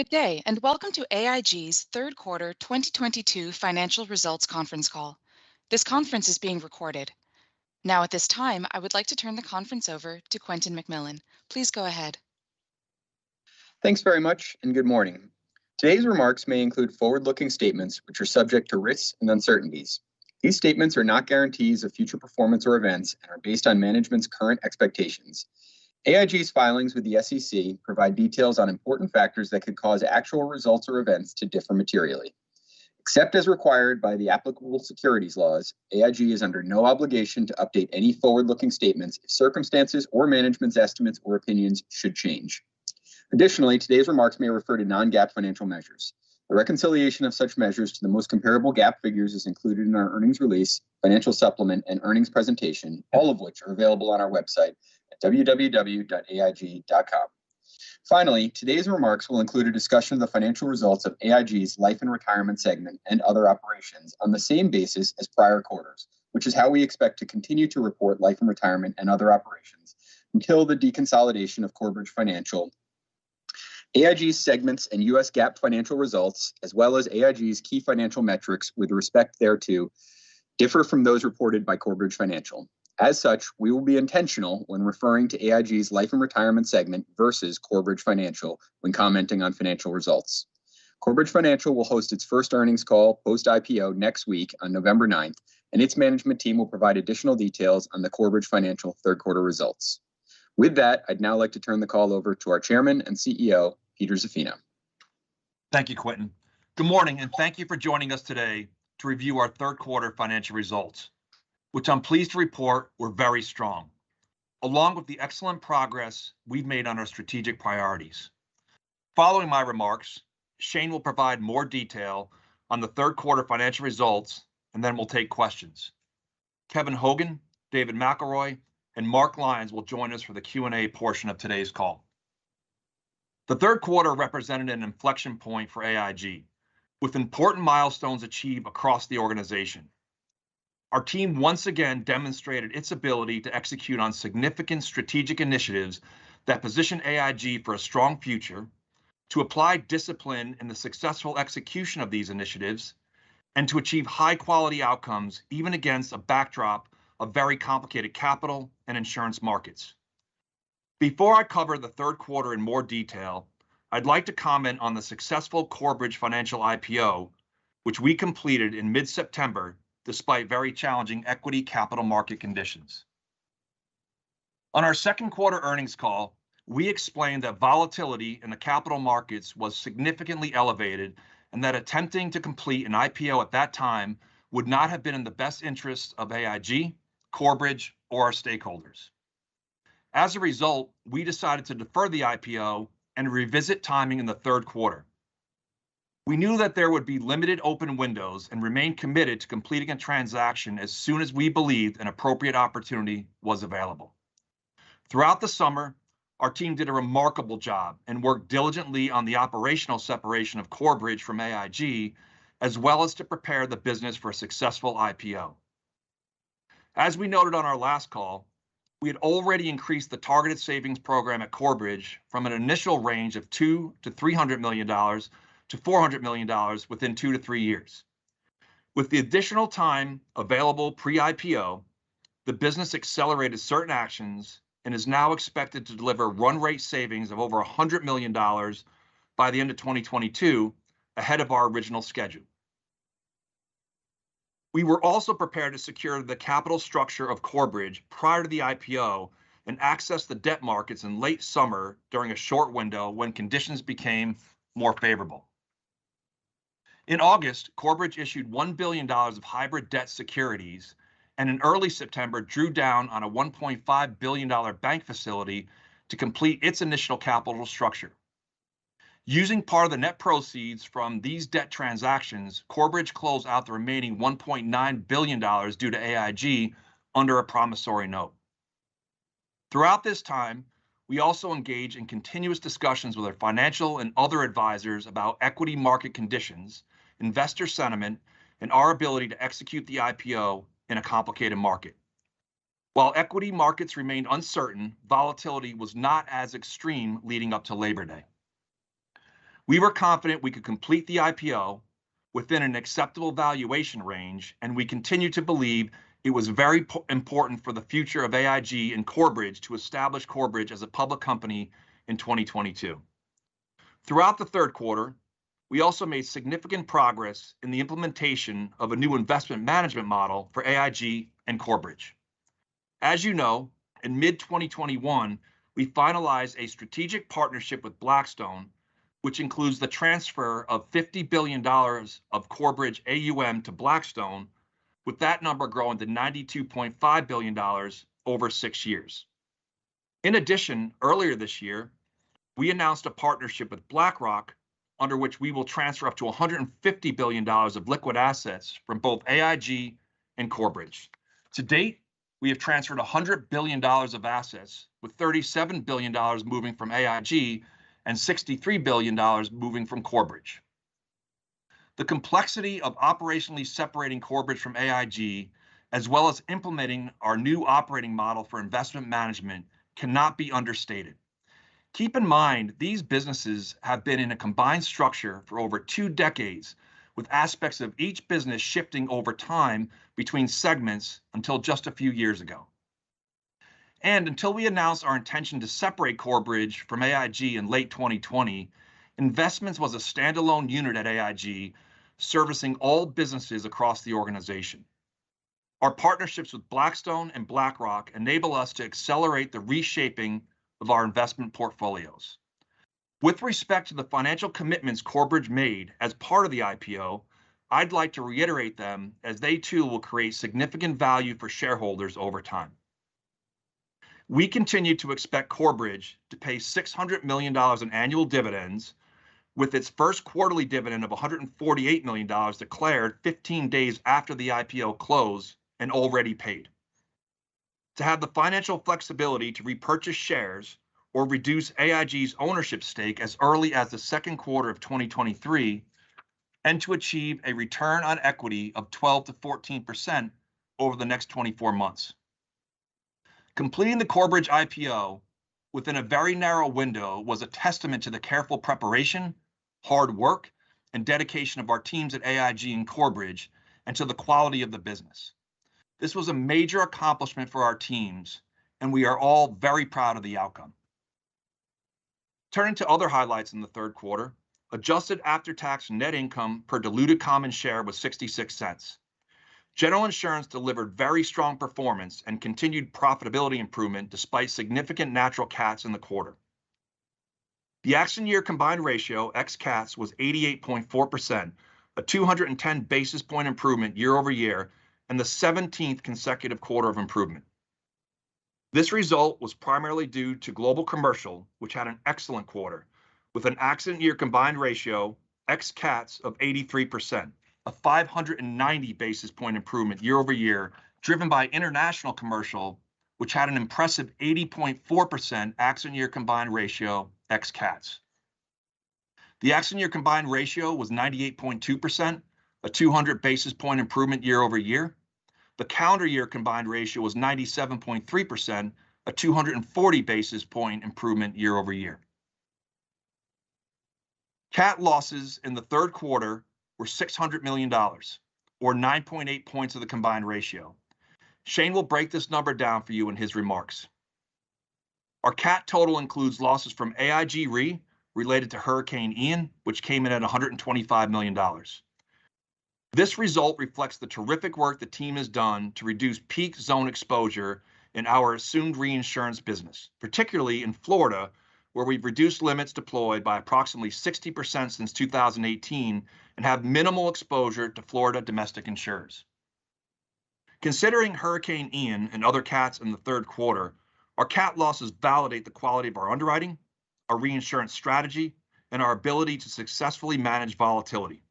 Good day, and welcome to AIG's third quarter 2022 financial results conference call. This conference is being recorded. Now, at this time, I would like to turn the conference over to Quentin McMillan. Please go ahead. Thanks very much, and good morning. Today's remarks may include forward-looking statements which are subject to risks and uncertainties. These statements are not guarantees of future performance or events and are based on management's current expectations. AIG's filings with the SEC provide details on important factors that could cause actual results or events to differ materially. Except as required by the applicable securities laws, AIG is under no obligation to update any forward-looking statements if circumstances or management's estimates or opinions should change. Additionally, today's remarks may refer to non-GAAP financial measures. A reconciliation of such measures to the most comparable GAAP figures is included in our earnings release, financial supplement and earnings presentation, all of which are available on our website at www.aig.com. Finally, today's remarks will include a discussion of the financial results of AIG's Life & Retirement segment and Other Operations on the same basis as prior quarters, which is how we expect to continue to report Life & Retirement and Other Operations until the deconsolidation of Corebridge Financial. AIG's segments and U.S. GAAP financial results, as well as AIG's key financial metrics with respect thereto, differ from those reported by Corebridge Financial. As such, we will be intentional when referring to AIG's Life & Retirement segment versus Corebridge Financial when commenting on financial results. Corebridge Financial will host its first earnings call post-IPO next week on November ninth, and its management team will provide additional details on the Corebridge Financial third quarter results. With that, I'd now like to turn the call over to our Chairman and CEO, Peter Zaffino. Thank you, Quentin. Good morning, and thank you for joining us today to review our third quarter financial results, which I'm pleased to report were very strong, along with the excellent progress we've made on our strategic priorities. Following my remarks, Shane will provide more detail on the third quarter financial results, and then we'll take questions. Kevin Hogan, David McElroy, and Mark Lyons will join us for the Q&A portion of today's call. The third quarter represented an inflection point for AIG, with important milestones achieved across the organization. Our team once again demonstrated its ability to execute on significant strategic initiatives that position AIG for a strong future, to apply discipline in the successful execution of these initiatives, and to achieve high-quality outcomes even against a backdrop of very complicated capital and insurance markets. Before I cover the third quarter in more detail, I'd like to comment on the successful Corebridge Financial IPO, which we completed in mid-September despite very challenging equity capital market conditions. On our second quarter earnings call, we explained that volatility in the capital markets was significantly elevated, and that attempting to complete an IPO at that time would not have been in the best interest of AIG, Corebridge, or our stakeholders. As a result, we decided to defer the IPO and revisit timing in the third quarter. We knew that there would be limited open windows and remained committed to completing a transaction as soon as we believed an appropriate opportunity was available. Throughout the summer, our team did a remarkable job and worked diligently on the operational separation of Corebridge from AIG, as well as to prepare the business for a successful IPO. As we noted on our last call, we had already increased the targeted savings program at Corebridge from an initial range of $200 million-$300 million to $400 million within two to three years. With the additional time available pre-IPO, the business accelerated certain actions and is now expected to deliver run rate savings of over $100 million by the end of 2022, ahead of our original schedule. We were also prepared to secure the capital structure of Corebridge prior to the IPO and access the debt markets in late summer during a short window when conditions became more favorable. In August, Corebridge issued $1 billion of hybrid debt securities, and in early September, drew down on a $1.5 billion bank facility to complete its initial capital structure. Using part of the net proceeds from these debt transactions, Corebridge closed out the remaining $1.9 billion due to AIG under a promissory note. Throughout this time, we also engaged in continuous discussions with our financial and other advisors about equity market conditions, investor sentiment, and our ability to execute the IPO in a complicated market. While equity markets remained uncertain, volatility was not as extreme leading up to Labor Day. We were confident we could complete the IPO within an acceptable valuation range, and we continued to believe it was very important for the future of AIG and Corebridge to establish Corebridge as a public company in 2022. Throughout the third quarter, we also made significant progress in the implementation of a new investment management model for AIG and Corebridge. As you know, in mid-2021, we finalized a strategic partnership with Blackstone, which includes the transfer of $50 billion of Corebridge AUM to Blackstone, with that number growing to $92.5 billion over six years. In addition, earlier this year, we announced a partnership with BlackRock, under which we will transfer up to $150 billion of liquid assets from both AIG and Corebridge. To date, we have transferred $100 billion of assets, with $37 billion moving from AIG and $63 billion moving from Corebridge. The complexity of operationally separating Corebridge from AIG, as well as implementing our new operating model for investment management cannot be understated. Keep in mind, these businesses have been in a combined structure for over two decades, with aspects of each business shifting over time between segments until just a few years ago. Until we announce our intention to separate Corebridge from AIG in late 2020, Investments was a standalone unit at AIG, servicing all businesses across the organization. Our partnerships with Blackstone and BlackRock enable us to accelerate the reshaping of our investment portfolios. With respect to the financial commitments Corebridge made as part of the IPO, I'd like to reiterate them, as they too will create significant value for shareholders over time. We continue to expect Corebridge to pay $600 million in annual dividends, with its first quarterly dividend of $148 million declared 15 days after the IPO close and already paid. To have the financial flexibility to repurchase shares or reduce AIG's ownership stake as early as the second quarter of 2023, and to achieve a return on equity of 12%-14% over the next 24 months. Completing the Corebridge IPO within a very narrow window was a testament to the careful preparation, hard work, and dedication of our teams at AIG and Corebridge, and to the quality of the business. This was a major accomplishment for our teams, and we are all very proud of the outcome. Turning to other highlights in the third quarter, adjusted after-tax net income per diluted common share was $0.66. General Insurance delivered very strong performance and continued profitability improvement despite significant natural CATs in the quarter. The accident year combined ratio, ex CATs, was 88.4%, a 210 basis point improvement year-over-year, and the seventeenth consecutive quarter of improvement. This result was primarily due to Global Commercial, which had an excellent quarter, with an accident year combined ratio, ex CATs, of 83%, a 590 basis point improvement year-over-year, driven by International Commercial, which had an impressive 80.4% accident year combined ratio, ex CATs. The accident combined ratio was 98.2%, a 200 basis point improvement year-over-year. The calendar year combined ratio was 97.3%, a 240 basis point improvement year-over-year. CAT losses in the third quarter were $600 million or 9.8 points of the combined ratio. Shane will break this number down for you in his remarks. Our CAT total includes losses from AIG Re related to Hurricane Ian, which came in at $125 million. This result reflects the terrific work the team has done to reduce peak zone exposure in our assumed reinsurance business, particularly in Florida, where we've reduced limits deployed by approximately 60% since 2018 and have minimal exposure to Florida domestic insurers. Considering Hurricane Ian and other CATs in the third quarter, our CAT losses validate the quality of our underwriting, our reinsurance strategy, and our ability to successfully manage volatility.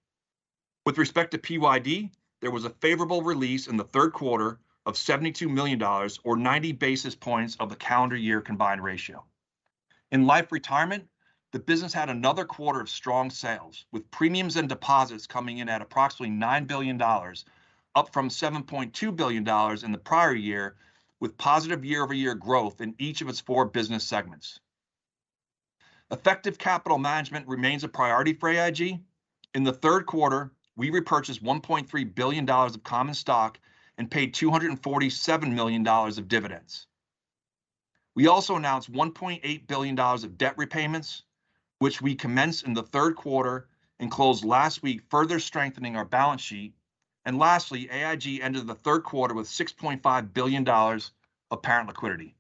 With respect to PYD, there was a favorable release in the third quarter of $72 million or 90 basis points of the calendar year combined ratio. In Life & Retirement, the business had another quarter of strong sales, with premiums and deposits coming in at approximately $9 billion, up from $7.2 billion in the prior year, with positive year-over-year growth in each of its four business segments. Effective capital management remains a priority for AIG. In the third quarter, we repurchased $1.3 billion of common stock and paid $247 million of dividends. We also announced $1.8 billion of debt repayments, which we commenced in the third quarter and closed last week, further strengthening our balance sheet. Lastly, AIG ended the third quarter with $6.5 billion of parent liquidity.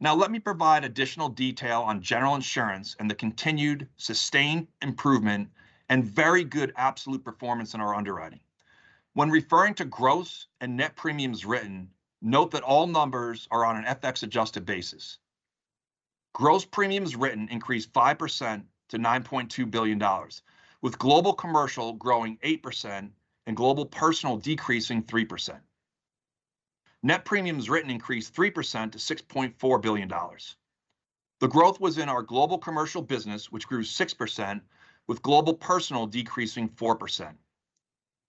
Now, let me provide additional detail on General Insurance and the continued sustained improvement and very good absolute performance in our underwriting. When referring to gross and net premiums written, note that all numbers are on an FX-adjusted basis. Gross premiums written increased 5% to $9.2 billion, with Global Commercial growing 8% and Global Personal decreasing 3%. Net premiums written increased 3% to $6.4 billion. The growth was in our Global Commercial business, which grew 6%, with Global Personal decreasing 4%.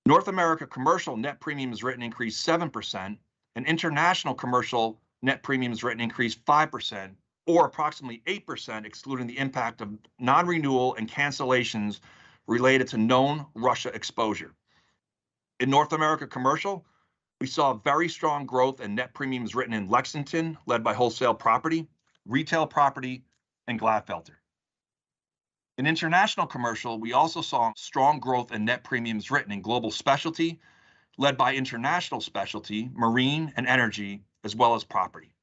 North America Commercial net premiums written increased 7%, and International Commercial net premiums written increased 5% or approximately 8%, excluding the impact of non-renewal and cancellations related to known Russia exposure. In North America Commercial, we saw very strong growth in net premiums written in Lexington, led by Wholesale Property, Retail Property, and Glatfelter. In International Commercial, we also saw strong growth in net premiums written in Global Specialty, led by International Specialty, Marine, and Energy, as well as Property.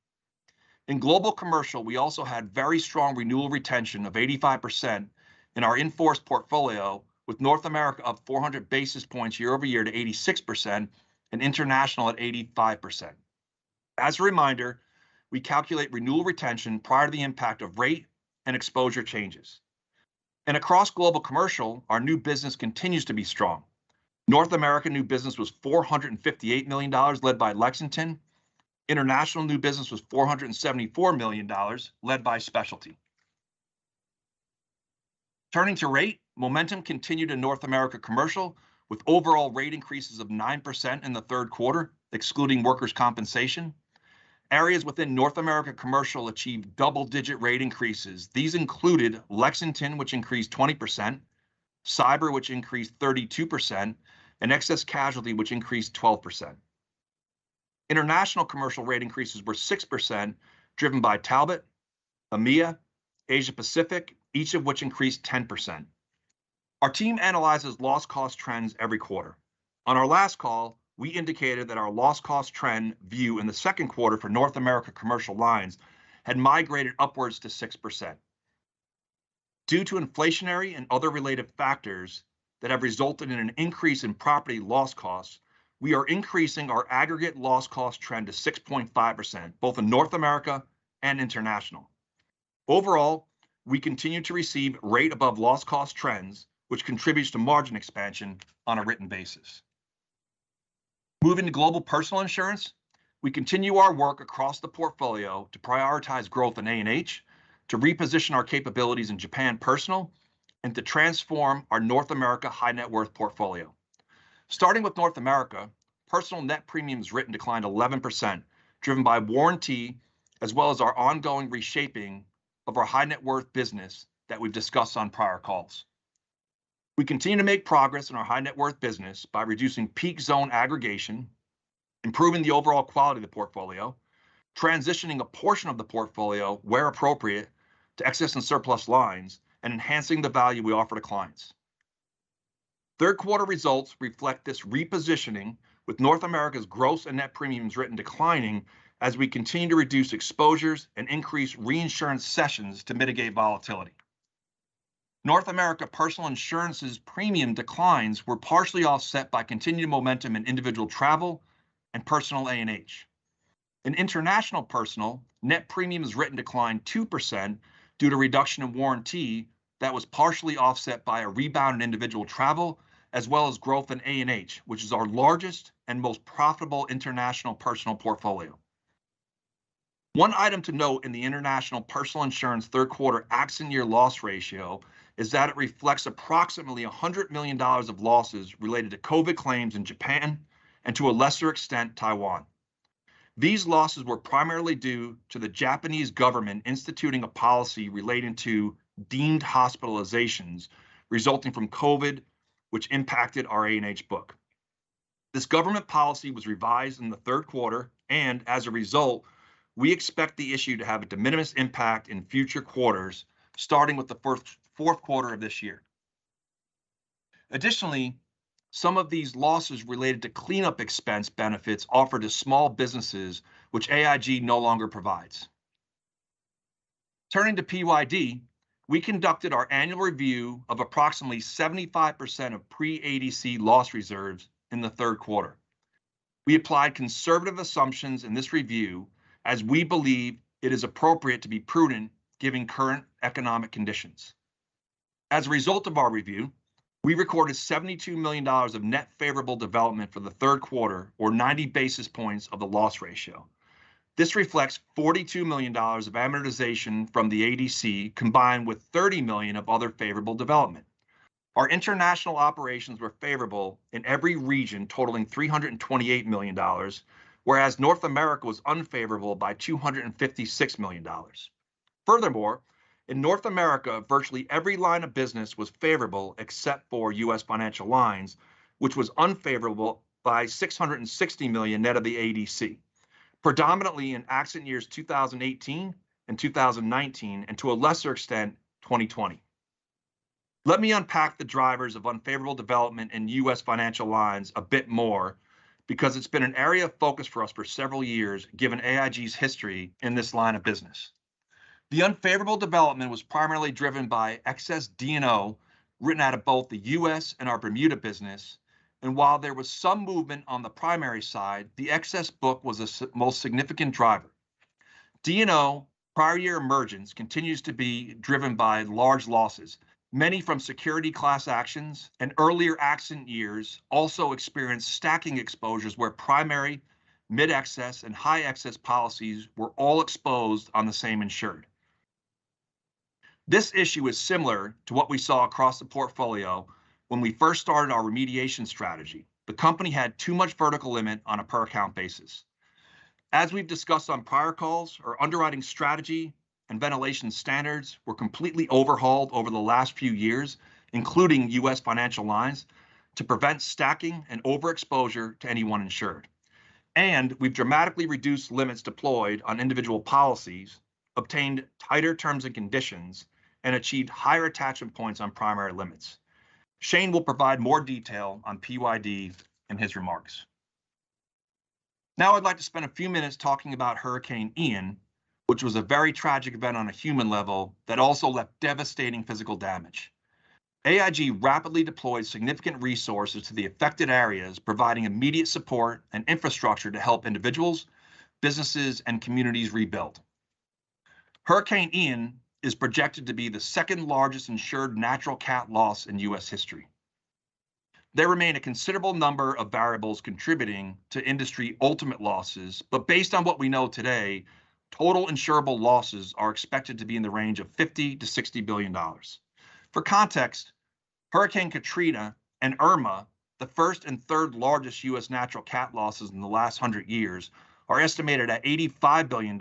In Global Commercial, we also had very strong renewal retention of 85% in our in-force portfolio with North America up 400 basis points year over year to 86% and International at 85%. As a reminder, we calculate renewal retention prior to the impact of rate and exposure changes. Across Global Commercial, our new business continues to be strong. North America new business was $458 million led by Lexington. International new business was $474 million, led by Specialty. Turning to rate, momentum continued in North America Commercial with overall rate increases of 9% in the third quarter, excluding workers' compensation. Areas within North America Commercial achieved double-digit rate increases. These included Lexington, which increased 20%, cyber, which increased 32%, and excess casualty, which increased 12%. International Commercial rate increases were 6%, driven by Talbot, EMEA, Asia Pacific, each of which increased 10%. Our team analyzes loss cost trends every quarter. On our last call, we indicated that our loss cost trend view in the second quarter for North America Commercial lines had migrated upwards to 6%. Due to inflationary and other related factors that have resulted in an increase in property loss costs, we are increasing our aggregate loss cost trend to 6.5%, both in North America and International. Overall, we continue to receive rate above loss cost trends, which contributes to margin expansion on a written basis. Moving to Global Personal Insurance, we continue our work across the portfolio to prioritize growth in A&H, to reposition our capabilities in Japan Personal, and to transform our North America High Net Worth portfolio. Starting with North America, personal net premiums written declined 11%, driven by warranty, as well as our ongoing reshaping of our High Net Worth business that we've discussed on prior calls. We continue to make progress in our High Net Worth business by reducing peak zone aggregation, improving the overall quality of the portfolio, transitioning a portion of the portfolio where appropriate to excess and surplus lines, and enhancing the value we offer to clients. Third quarter results reflect this repositioning with North America's gross and net premiums written declining as we continue to reduce exposures and increase reinsurance cessions to mitigate volatility. North America Personal Insurance's premium declines were partially offset by continued momentum in individual travel and personal A&H. In International Personal, net premiums written declined 2% due to reduction in warranty that was partially offset by a rebound in individual travel, as well as growth in A&H, which is our largest and most profitable international personal portfolio. One item to note in the International Personal Insurance third quarter accident year loss ratio is that it reflects approximately $100 million of losses related to COVID claims in Japan and to a lesser extent, Taiwan. These losses were primarily due to the Japanese government instituting a policy relating to deemed hospitalizations resulting from COVID, which impacted our A&H book. This government policy was revised in the third quarter, and as a result, we expect the issue to have a de minimis impact in future quarters, starting with the fourth quarter of this year. Additionally, some of these losses related to cleanup expense benefits offered to small businesses which AIG no longer provides. Turning to PYD, we conducted our annual review of approximately 75% of pre-ADC loss reserves in the third quarter. We applied conservative assumptions in this review as we believe it is appropriate to be prudent given current economic conditions. As a result of our review, we recorded $72 million of net favorable development for the third quarter or 90 basis points of the loss ratio. This reflects $42 million of amortization from the ADC, combined with $30 million of other favorable development. Our international operations were favorable in every region, totaling $328 million, whereas North America was unfavorable by $256 million. Furthermore, in North America, virtually every line of business was favorable except for U.S. Financial Lines, which was unfavorable by $660 million net of the ADC, predominantly in accident years 2018 and 2019, and to a lesser extent, 2020. Let me unpack the drivers of unfavorable development in U.S. Financial Lines a bit more because it's been an area of focus for us for several years, given AIG's history in this line of business. The unfavorable development was primarily driven by excess D&O written out of both the U.S. and our Bermuda business, and while there was some movement on the primary side, the excess book was the most significant driver. D&O prior year emergence continues to be driven by large losses, many from securities class actions and earlier accident years also experienced stacking exposures where primary, mid-excess and high excess policies were all exposed on the same insured. This issue is similar to what we saw across the portfolio when we first started our remediation strategy. The company had too much vertical limit on a per account basis. As we've discussed on prior calls, our underwriting strategy and ventilation standards were completely overhauled over the last few years, including U.S. Financial Lines, to prevent stacking and overexposure to any one insured. We've dramatically reduced limits deployed on individual policies, obtained tighter terms and conditions, and achieved higher attachment points on primary limits. Shane will provide more detail on PYD in his remarks. Now I'd like to spend a few minutes talking about Hurricane Ian, which was a very tragic event on a human level that also left devastating physical damage. AIG rapidly deployed significant resources to the affected areas, providing immediate support and infrastructure to help individuals, businesses, and communities rebuild. Hurricane Ian is projected to be the second-largest insured natural cat loss in U.S. history. There remain a considerable number of variables contributing to industry ultimate losses, but based on what we know today, total insurable losses are expected to be in the range of $50 bilion-$60 billion. For context, Hurricane Katrina and Irma, the first and third largest U.S. natural cat losses in the last 100 years, are estimated at $85 billion and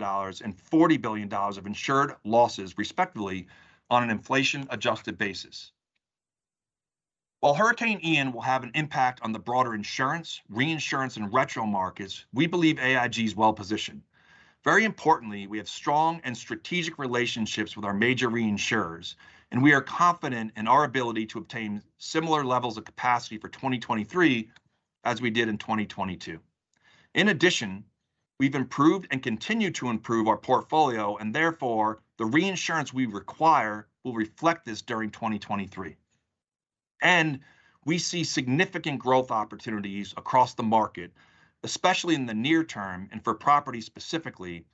$40 billion of insured losses respectively on an inflation-adjusted basis. While Hurricane Ian will have an impact on the broader insurance, reinsurance, and retro markets, we believe AIG is well-positioned. Very importantly, we have strong and strategic relationships with our major reinsurers, and we are confident in our ability to obtain similar levels of capacity for 2023 as we did in 2022. In addition, we've improved and continue to improve our portfolio, and therefore, the reinsurance we require will reflect this during 2023. We see significant growth opportunities across the market, especially in the near term and for property specifically,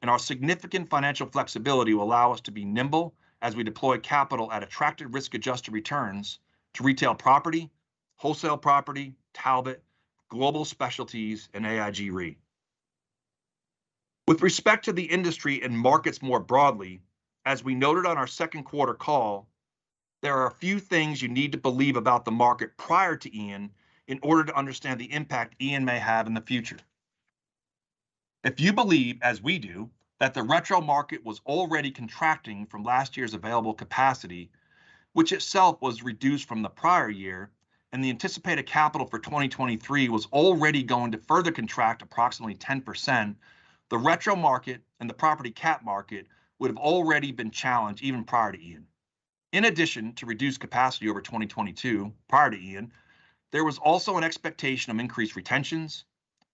and our significant financial flexibility will allow us to be nimble as we deploy capital at attractive risk-adjusted returns to retail property, wholesale property, Talbot, Global Specialty, and AIG Re. With respect to the industry and markets more broadly, as we noted on our second quarter call, there are a few things you need to believe about the market prior to Ian in order to understand the impact Ian may have in the future. If you believe, as we do, that the retro market was already contracting from last year's available capacity, which itself was reduced from the prior year, and the anticipated capital for 2023 was already going to further contract approximately 10%, the retro market and the property cat market would have already been challenged even prior to Ian. In addition to reduced capacity over 2022, prior to Ian, there was also an expectation of increased retentions,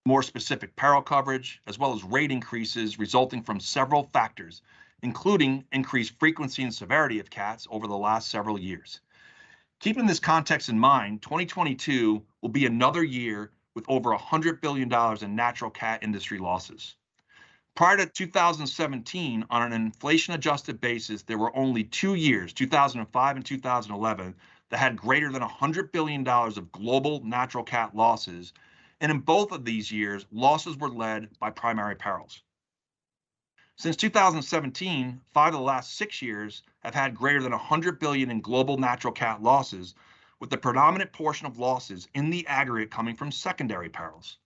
more specific peril coverage, as well as rate increases resulting from several factors, including increased frequency and severity of cats over the last several years. Keeping this context in mind, 2022 will be another year with over $100 billion in natural cat industry losses. Prior to 2017, on an inflation-adjusted basis, there were only two years, 2005 and 2011, that had greater than $100 billion of global natural cat losses. In both of these years, losses were led by primary perils. Since 2017, five of the last six years have had greater than $100 billion in global natural cat losses, with the predominant portion of losses in the aggregate coming from secondary perils.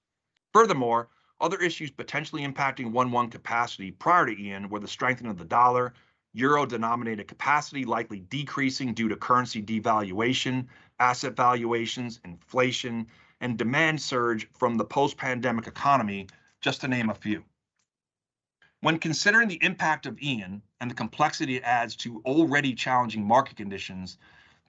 Furthermore, other issues potentially impacting one-one capacity prior to Ian were the strengthening of the dollar, euro-denominated capacity likely decreasing due to currency devaluation, asset valuations, inflation, and demand surge from the post-pandemic economy, just to name a few. When considering the impact of Ian and the complexity it adds to already challenging market conditions,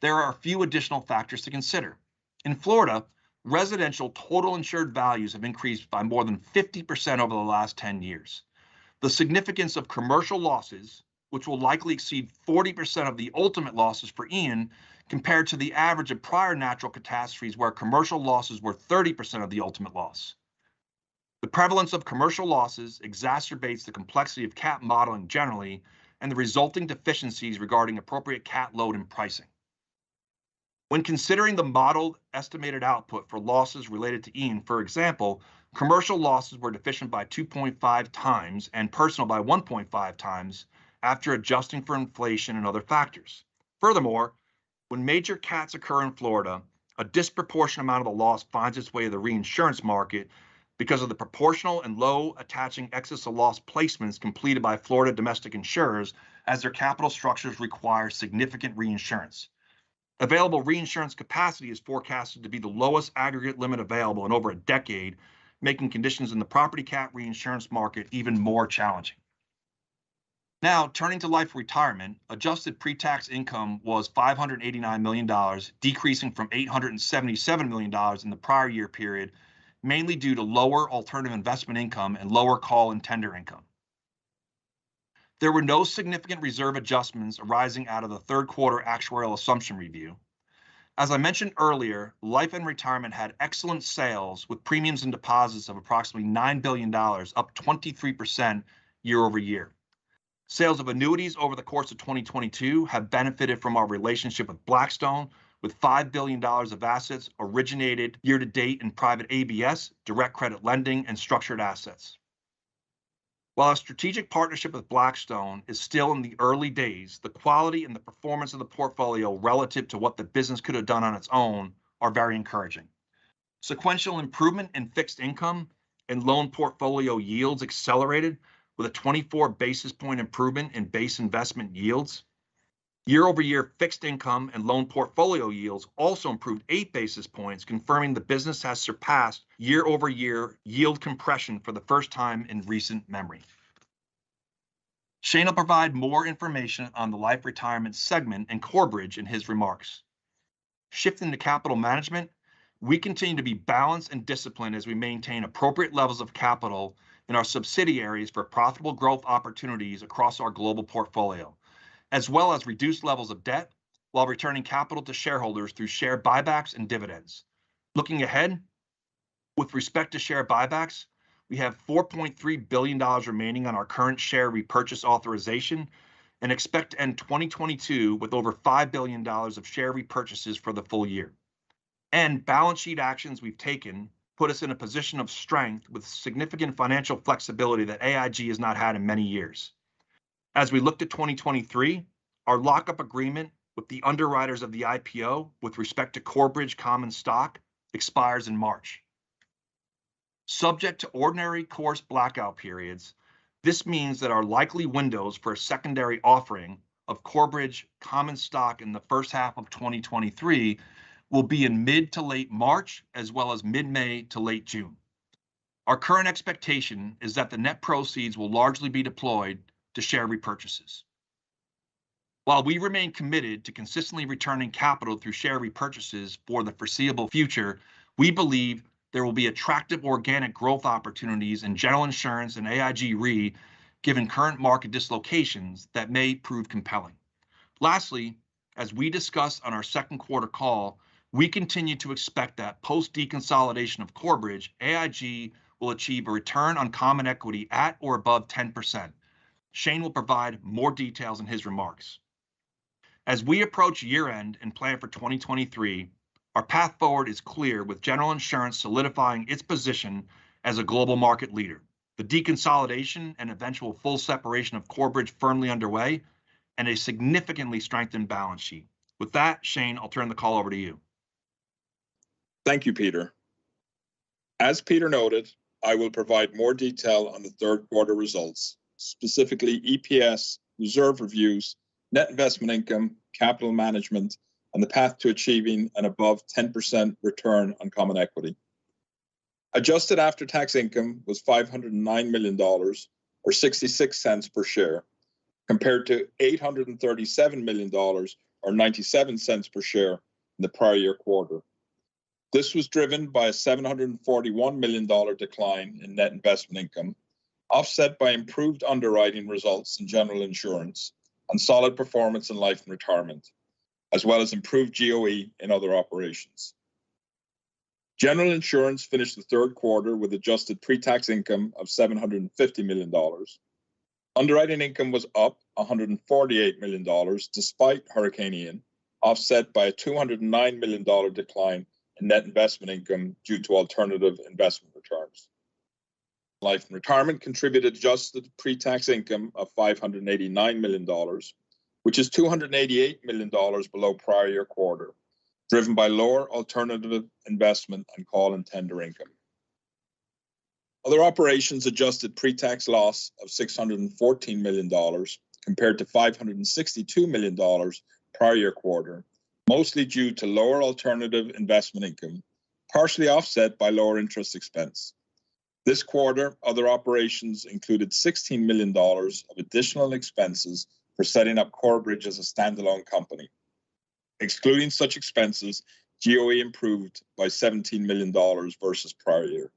there are a few additional factors to consider. In Florida, residential total insured values have increased by more than 50% over the last 10 years. The significance of commercial losses, which will likely exceed 40% of the ultimate losses for Ian compared to the average of prior natural catastrophes, where commercial losses were 30% of the ultimate loss. The prevalence of commercial losses exacerbates the complexity of cat modeling generally and the resulting deficiencies regarding appropriate cat load and pricing. When considering the modeled estimated output for losses related to Ian, for example, commercial losses were deficient by 2.5x and personal by 1.5x after adjusting for inflation and other factors. Furthermore, when major cats occur in Florida, a disproportionate amount of the loss finds its way to the reinsurance market because of the proportional and low attaching excess to loss placements completed by Florida domestic insurers as their capital structures require significant reinsurance. Available reinsurance capacity is forecasted to be the lowest aggregate limit available in over a decade, making conditions in the property cat reinsurance market even more challenging. Now, turning to Life & Retirement, adjusted pre-tax income was $589 million, decreasing from $877 million in the prior year period, mainly due to lower alternative investment income and lower call and tender income. There were no significant reserve adjustments arising out of the third quarter actuarial assumption review. As I mentioned earlier, Life and Retirement had excellent sales with premiums and deposits of approximately $9 billion, up 23% year-over-year. Sales of annuities over the course of 2022 have benefited from our relationship with Blackstone, with $5 billion of assets originated year to date in private ABS, direct credit lending, and structured assets. While our strategic partnership with Blackstone is still in the early days, the quality and the performance of the portfolio relative to what the business could have done on its own are very encouraging. Sequential improvement in fixed income and loan portfolio yields accelerated with a 24 basis point improvement in base investment yields. Year-over-year fixed income and loan portfolio yields also improved eight basis points, confirming the business has surpassed year-over-year yield compression for the first time in recent memory. Shane will provide more information on the Life & Retirement segment and Corebridge in his remarks. Shifting to capital management, we continue to be balanced and disciplined as we maintain appropriate levels of capital in our subsidiaries for profitable growth opportunities across our global portfolio, as well as reduced levels of debt while returning capital to shareholders through share buybacks and dividends. Looking ahead with respect to share buybacks, we have $4.3 billion remaining on our current share repurchase authorization and expect to end 2022 with over $5 billion of share repurchases for the full year. Balance sheet actions we've taken put us in a position of strength with significant financial flexibility that AIG has not had in many years. As we look to 2023, our lockup agreement with the underwriters of the IPO with respect to Corebridge common stock expires in March. Subject to ordinary course blackout periods, this means that our likely windows for a secondary offering of Corebridge common stock in the first half of 2023 will be in mid to late March, as well as mid-May to late June. Our current expectation is that the net proceeds will largely be deployed to share repurchases. While we remain committed to consistently returning capital through share repurchases for the foreseeable future, we believe there will be attractive organic growth opportunities in General Insurance and AIG Re given current market dislocations that may prove compelling. Lastly, as we discussed on our second quarter call, we continue to expect that post deconsolidation of Corebridge, AIG will achieve a return on common equity at or above 10%. Shane will provide more details in his remarks. As we approach year-end and plan for 2023, our path forward is clear, with General Insurance solidifying its position as a global market leader, the deconsolidation and eventual full separation of Corebridge firmly underway, and a significantly strengthened balance sheet. With that, Shane, I'll turn the call over to you. Thank you, Peter. As Peter noted, I will provide more detail on the third quarter results, specifically EPS, reserve reviews, net investment income, capital management, and the path to achieving an above 10% return on common equity. Adjusted after-tax income was $509 million or $0.66 per share, compared to $837 million or $0.97 per share in the prior year quarter. This was driven by a $741 million decline in net investment income, offset by improved underwriting results in General Insurance and solid performance in Life & Retirement, as well as improved GOE in Other Operations. General Insurance finished the third quarter with adjusted pre-tax income of $750 million. Underwriting income was up $148 million despite Hurricane Ian, offset by a $209 million decline in net investment income due to alternative investment returns. Life and Retirement contributed adjusted pre-tax income of $589 million, which is $288 million below prior year quarter, driven by lower alternative investment and call and tender income. Other Operations adjusted pre-tax loss of $614 million compared to $562 million prior year quarter, mostly due to lower alternative investment income, partially offset by lower interest expense. This quarter, Other Operations included $16 million of additional expenses for setting up Corebridge as a standalone company. Excluding such expenses, GOE improved by $17 million versus prior year.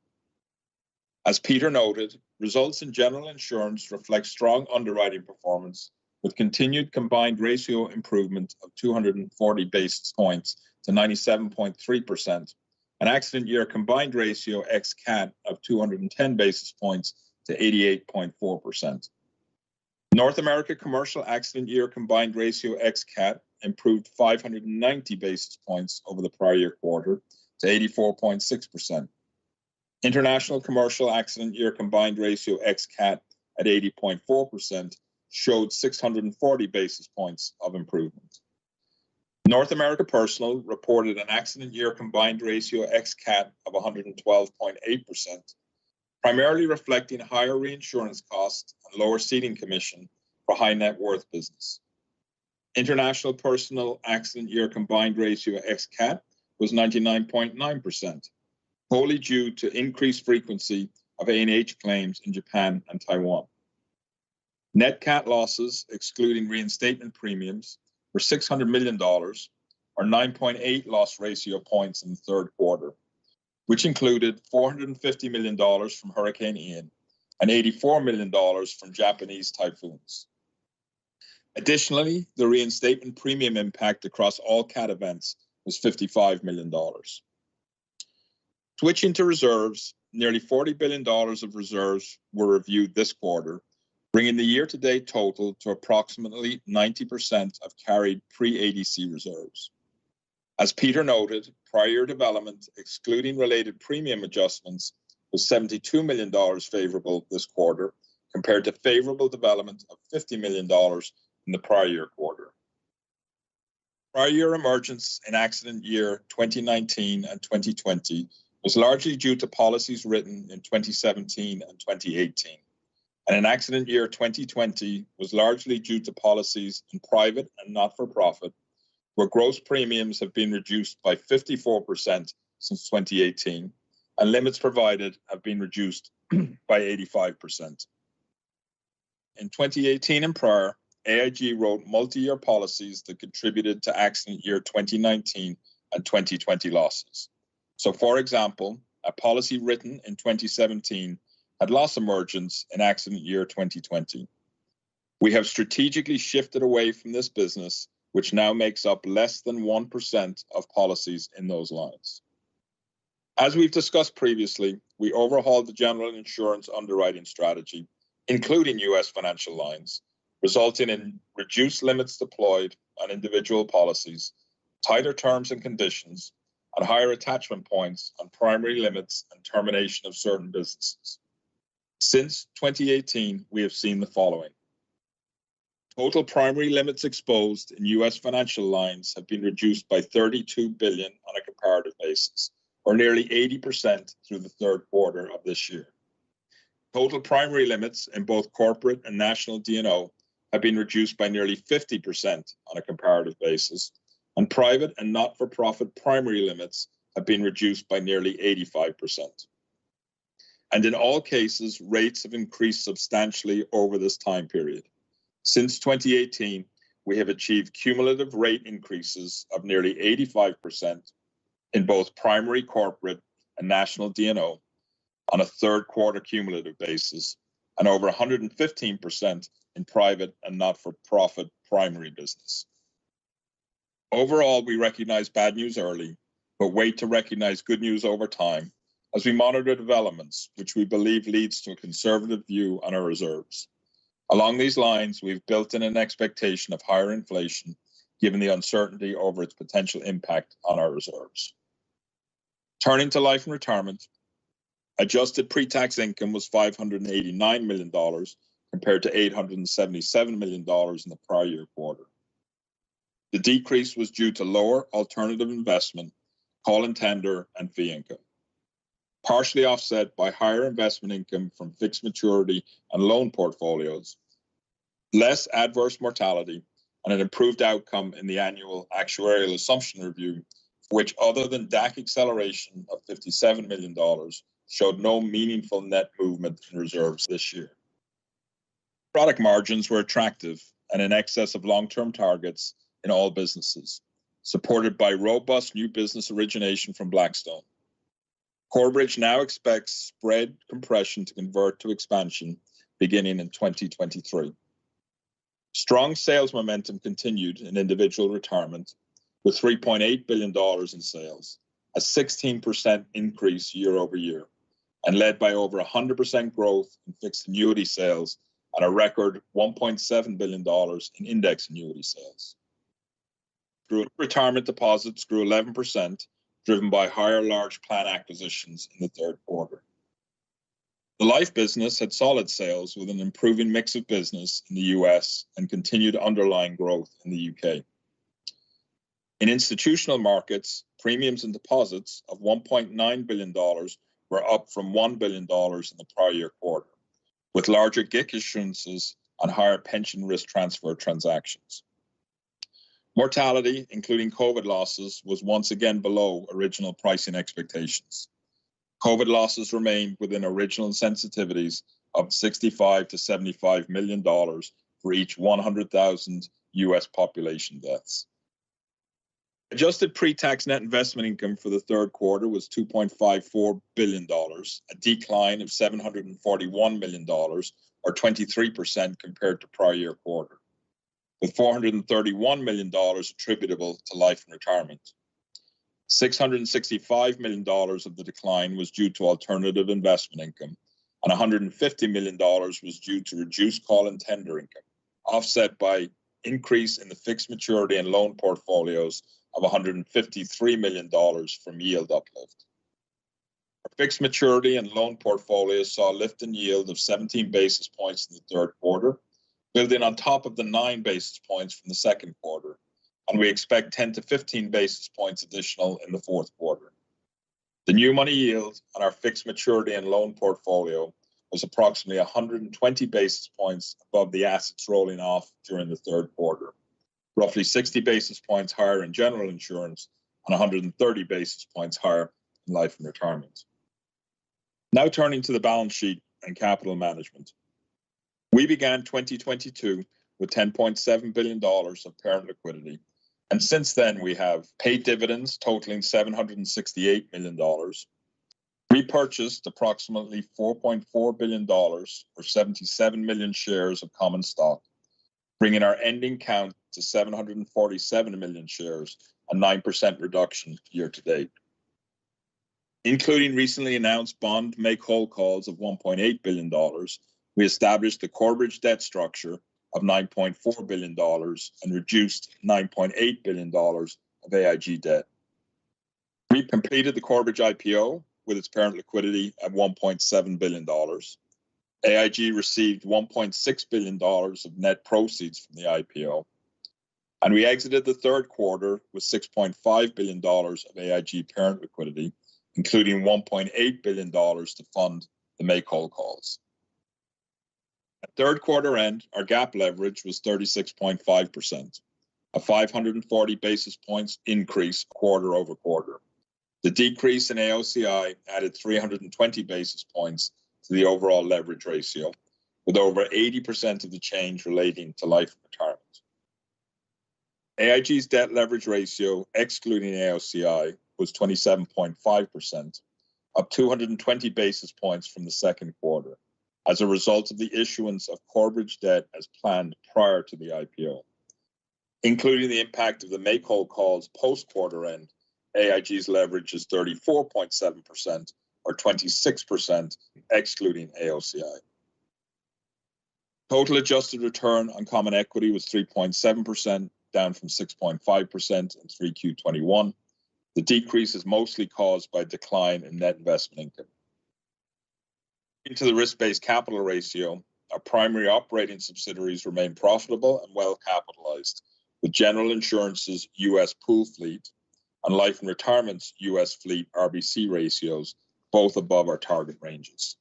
As Peter noted, results in General Insurance reflect strong underwriting performance with continued combined ratio improvement of 240 basis points to 97.3%. An accident year combined ratio ex-CAT of 210 basis points to 88.4%. North America Commercial accident year combined ratio ex-CAT improved 590 basis points over the prior-year quarter to 84.6%. International Commercial accident year combined ratio ex-CAT at 80.4% showed 640 basis points of improvement. North America Personal reported an accident year combined ratio ex-CAT of 112.8%, primarily reflecting higher reinsurance costs and lower ceding commission for high net worth business. International Personal accident year combined ratio ex-CAT was 99.9%, wholly due to increased frequency of A&H claims in Japan and Taiwan. Net CAT losses, excluding reinstatement premiums, were $600 million or 9.8 loss ratio points in the third quarter, which included $450 million from Hurricane Ian and $84 million from Japanese typhoons. Additionally, the reinstatement premium impact across all CAT events was $55 million. Switching to reserves, nearly $40 billion of reserves were reviewed this quarter, bringing the year-to-date total to approximately 90% of carried pre-ADC reserves. As Peter noted, prior year development, excluding related premium adjustments, was $72 million favorable this quarter compared to favorable development of $50 million in the prior year quarter. Prior year emergence in accident year 2019 and 2020 was largely due to policies written in 2017 and 2018. In accident year 2020 was largely due to policies in private and not-for-profit, where gross premiums have been reduced by 54% since 2018, and limits provided have been reduced by 85%. In 2018 and prior, AIG wrote multi-year policies that contributed to accident year 2019 and 2020 losses. For example, a policy written in 2017 had loss emergence in accident year 2020. We have strategically shifted away from this business, which now makes up less than 1% of policies in those lines. As we've discussed previously, we overhauled the General Insurance underwriting strategy, including U.S. Financial Lines, resulting in reduced limits deployed on individual policies, tighter terms and conditions on higher attachment points on primary limits and termination of certain businesses. Since 2018, we have seen the following. Total primary limits exposed in U.S. Financial Lines have been reduced by $32 billion on a comparative basis, or nearly 80% through the third quarter of this year. Total primary limits in both corporate and national D&O have been reduced by nearly 50% on a comparative basis, and private and not-for-profit primary limits have been reduced by nearly 85%. In all cases, rates have increased substantially over this time period. Since 2018, we have achieved cumulative rate increases of nearly 85% in both primary corporate and national D&O on a third quarter cumulative basis and over 115% in private and not-for-profit primary business. Overall, we recognize bad news early, but wait to recognize good news over time as we monitor developments, which we believe leads to a conservative view on our reserves. Along these lines, we've built in an expectation of higher inflation given the uncertainty over its potential impact on our reserves. Turning to Life & Retirement, adjusted pre-tax income was $589 million compared to $877 million in the prior year quarter. The decrease was due to lower alternative investment, call and tender, and fee income, partially offset by higher investment income from fixed maturity and loan portfolios, less adverse mortality, and an improved outcome in the annual actuarial assumption review, which other than DAC acceleration of $57 million, showed no meaningful net movement in reserves this year. Product margins were attractive and in excess of long-term targets in all businesses, supported by robust new business origination from Blackstone. Corebridge now expects spread compression to convert to expansion beginning in 2023. Strong sales momentum continued in Individual Retirement with $3.8 billion in sales, a 16% increase year-over-year, and led by over 100% growth in fixed annuity sales on a record $1.7 billion in index annuity sales. Group Retirement deposits grew 11%, driven by higher large plan acquisitions in the third quarter. The life business had solid sales with an improving mix of business in the U.S. and continued underlying growth in the U.K. In Institutional Markets, premiums and deposits of $1.9 billion were up from $1 billion in the prior year quarter, with larger GIC assurances on higher pension risk transfer transactions. Mortality, including COVID losses, was once again below original pricing expectations. COVID losses remained within original sensitivities of $65 million-$75 million for each 100,000 U.S. population deaths. Adjusted pre-tax net investment income for the third quarter was $2.54 billion, a decline of $741 million or 23% compared to prior-year quarter, with $431 million attributable to Life & Retirement. $665 million of the decline was due to alternative investment income, and $150 million was due to reduced call and tender income, offset by increase in the fixed maturity and loan portfolios of $153 million from yield uplift. Our fixed maturity and loan portfolios saw a lift in yield of 17 basis points in the third quarter, building on top of the 9 basis points from the second quarter, and we expect 10-15 basis points additional in the fourth quarter. The new money yield on our fixed maturity and loan portfolio was approximately 120 basis points above the assets rolling off during the third quarter, roughly 60 basis points higher in General Insurance and 130 basis points higher in Life and Retirement. Now turning to the balance sheet and capital management. We began 2022 with $10.7 billion of parent liquidity, and since then we have paid dividends totaling $768 million, repurchased approximately $4.4 billion or 77 million shares of common stock, bringing our ending count to 747 million shares, a 9% reduction year to date. Including recently announced bond make-whole calls of $1.8 billion, we established the Corebridge debt structure of $9.4 billion and reduced $9.8 billion of AIG debt. We completed the Corebridge IPO with its parent liquidity at $1.7 billion. AIG received $1.6 billion of net proceeds from the IPO, and we exited the third quarter with $6.5 billion of AIG parent liquidity, including $1.8 billion to fund the make-whole calls. At third quarter end, our GAAP leverage was 36.5%, a 540 basis points increase quarter-over-quarter. The decrease in AOCI added 320 basis points to the overall leverage ratio, with over 80% of the change relating to life and retirement. AIG's debt leverage ratio, excluding AOCI, was 27.5%, up 220 basis points from the second quarter as a result of the issuance of Corebridge debt as planned prior to the IPO. Including the impact of the make-whole calls post quarter end, AIG's leverage is 34.7% or 26% excluding AOCI. Total adjusted return on common equity was 3.7%, down from 6.5% in 3Q 2021. The decrease is mostly caused by a decline in net investment income. Into the risk-based capital ratio, our primary operating subsidiaries remain profitable and well-capitalized, with General Insurance's U.S. pool fleet and Life & Retirement's U.S. fleet RBC ratios both above our target ranges.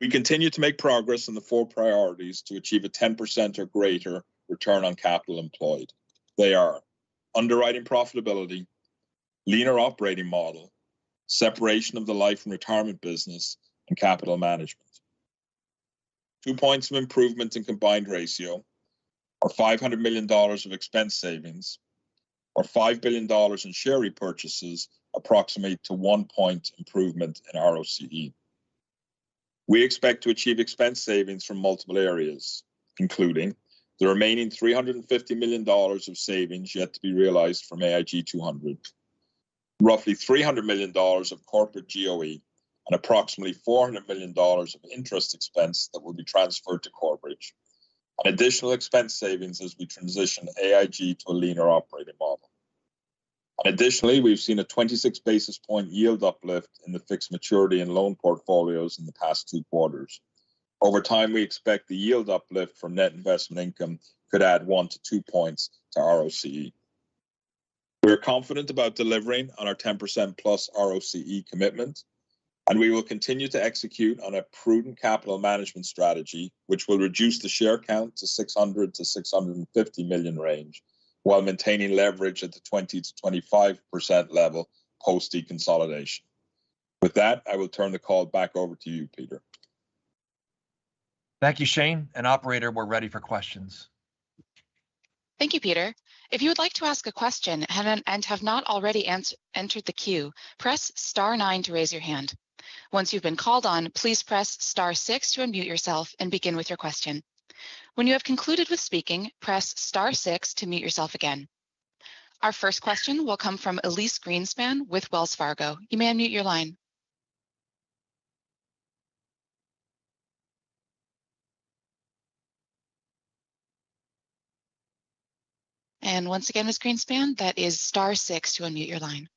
We continue to make progress on the four priorities to achieve a 10% or greater return on capital employed. They are underwriting profitability, leaner operating model, separation of the Life & Retirement business, and capital management. Two points of improvement in combined ratio are $500 million of expense savings or $5 billion in share repurchases approximate to one point improvement in ROCE. We expect to achieve expense savings from multiple areas, including the remaining $350 million of savings yet to be realized from AIG 200, roughly $300 million of corporate GOE, and approximately $400 million of interest expense that will be transferred to Corebridge, and additional expense savings as we transition AIG to a leaner operating model. Additionally, we've seen a 26 basis point yield uplift in the fixed maturity and loan portfolios in the past two quarters. Over time, we expect the yield uplift from net investment income could add one to two points to ROCE. We are confident about delivering on our 10%+ ROCE commitment, and we will continue to execute on a prudent capital management strategy, which will reduce the share count to 600-650 million range while maintaining leverage at the 20%-25% level post deconsolidation. With that, I will turn the call back over to you, Peter. Thank you, Shane. Operator, we're ready for questions. Thank you, Peter. If you would like to ask a question and have not already entered the queue, press star nine to raise your hand. Once you've been called on, please press star six to unmute yourself and begin with your question. When you have concluded with speaking, press star six to mute yourself again. Our first question will come from Elyse Greenspan with Wells Fargo. You may unmute your line. Once again, Ms. Greenspan, that is star six to unmute your line.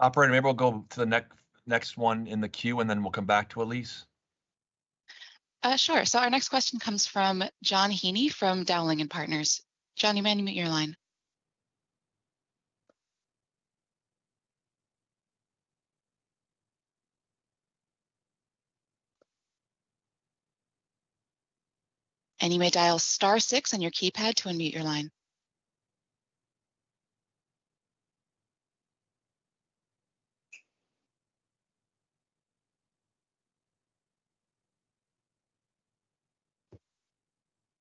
Operator, maybe we'll go to the next one in the queue, and then we'll come back to Elyse. Sure. Our next question comes from John Heaney from Dowling & Partners. John, you may unmute your line. You may dial star six on your keypad to unmute your line.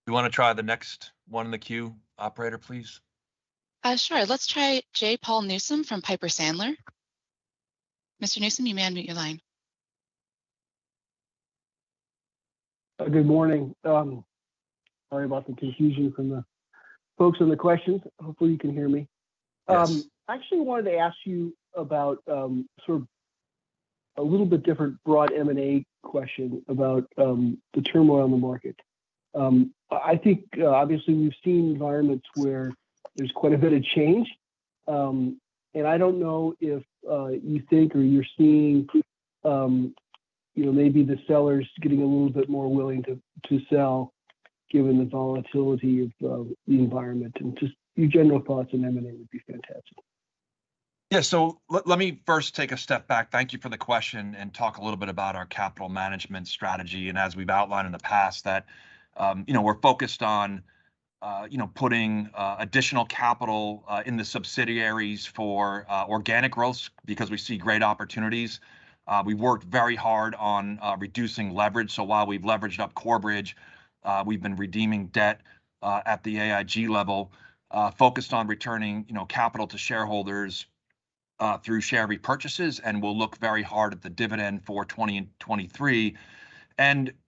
You wanna try the next one in the queue, operator, please? Sure. Let's try J. Paul Newsome from Piper Sandler. Mr. Newsome, you may unmute your line. Good morning. Sorry about the confusion from the folks in the questions. Hopefully you can hear me. Yes. I actually wanted to ask you about sort of a little bit different broad M&A question about the turmoil on the market. I think obviously we've seen environments where there's quite a bit of change. I don't know if you think or you're seeing you know maybe the sellers getting a little bit more willing to sell given the volatility of the environment. Just your general thoughts on M&A would be fantastic. Yeah. Let me first take a step back, thank you for the question, and talk a little bit about our capital management strategy. As we've outlined in the past that, you know, we're focused on, you know, putting additional capital in the subsidiaries for organic growth because we see great opportunities. We've worked very hard on reducing leverage. While we've leveraged up Corebridge, we've been redeeming debt at the AIG level, focused on returning, you know, capital to shareholders through share repurchases and will look very hard at the dividend for 2023.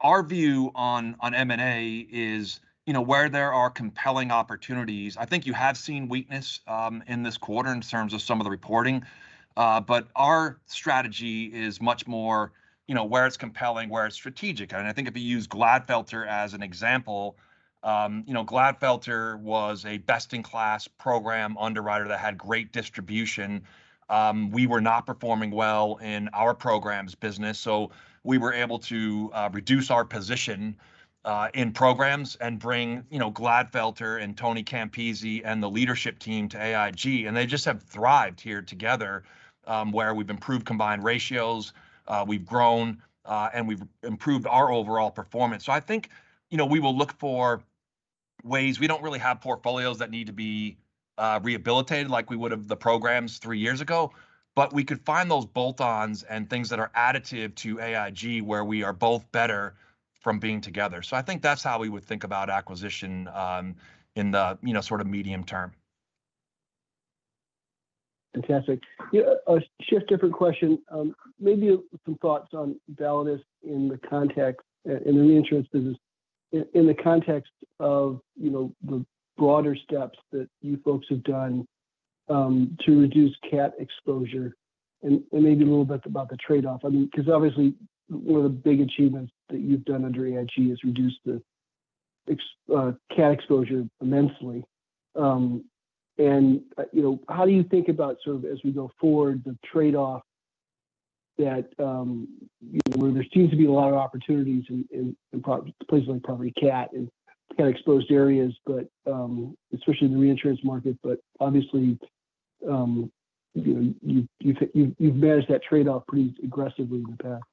Our view on M&A is, you know, where there are compelling opportunities, I think you have seen weakness in this quarter in terms of some of the reporting. Our strategy is much more, you know, where it's compelling, where it's strategic. I think if you use Glatfelter as an example, you know, Glatfelter was a best-in-class program underwriter that had great distribution. We were not performing well in our programs business. We were able to reduce our position in programs and bring, you know, Glatfelter and Tony Campisi and the leadership team to AIG, and they just have thrived here together, where we've improved combined ratios, we've grown, and we've improved our overall performance. I think, you know, we will look for ways we don't really have portfolios that need to be rehabilitated like we would have the programs three years ago, but we could find those bolt-ons and things that are additive to AIG where we are both better from being together. I think that's how we would think about acquisition in the, you know, sort of medium term. Fantastic. Yeah, a shift, different question. Maybe some thoughts on Validus in the context, in the reinsurance business, in the context of, you know, the broader steps that you folks have done, to reduce cat exposure and maybe a little bit about the trade-off. I mean, 'cause obviously one of the big achievements that you've done under AIG is reduce the cat exposure immensely. You know, how do you think about sort of as we go forward, the trade-off that, you know, where there seems to be a lot of opportunities in places like property cat and kind of exposed areas, but especially in the reinsurance market, but obviously, you know, you've managed that trade-off pretty aggressively in the past.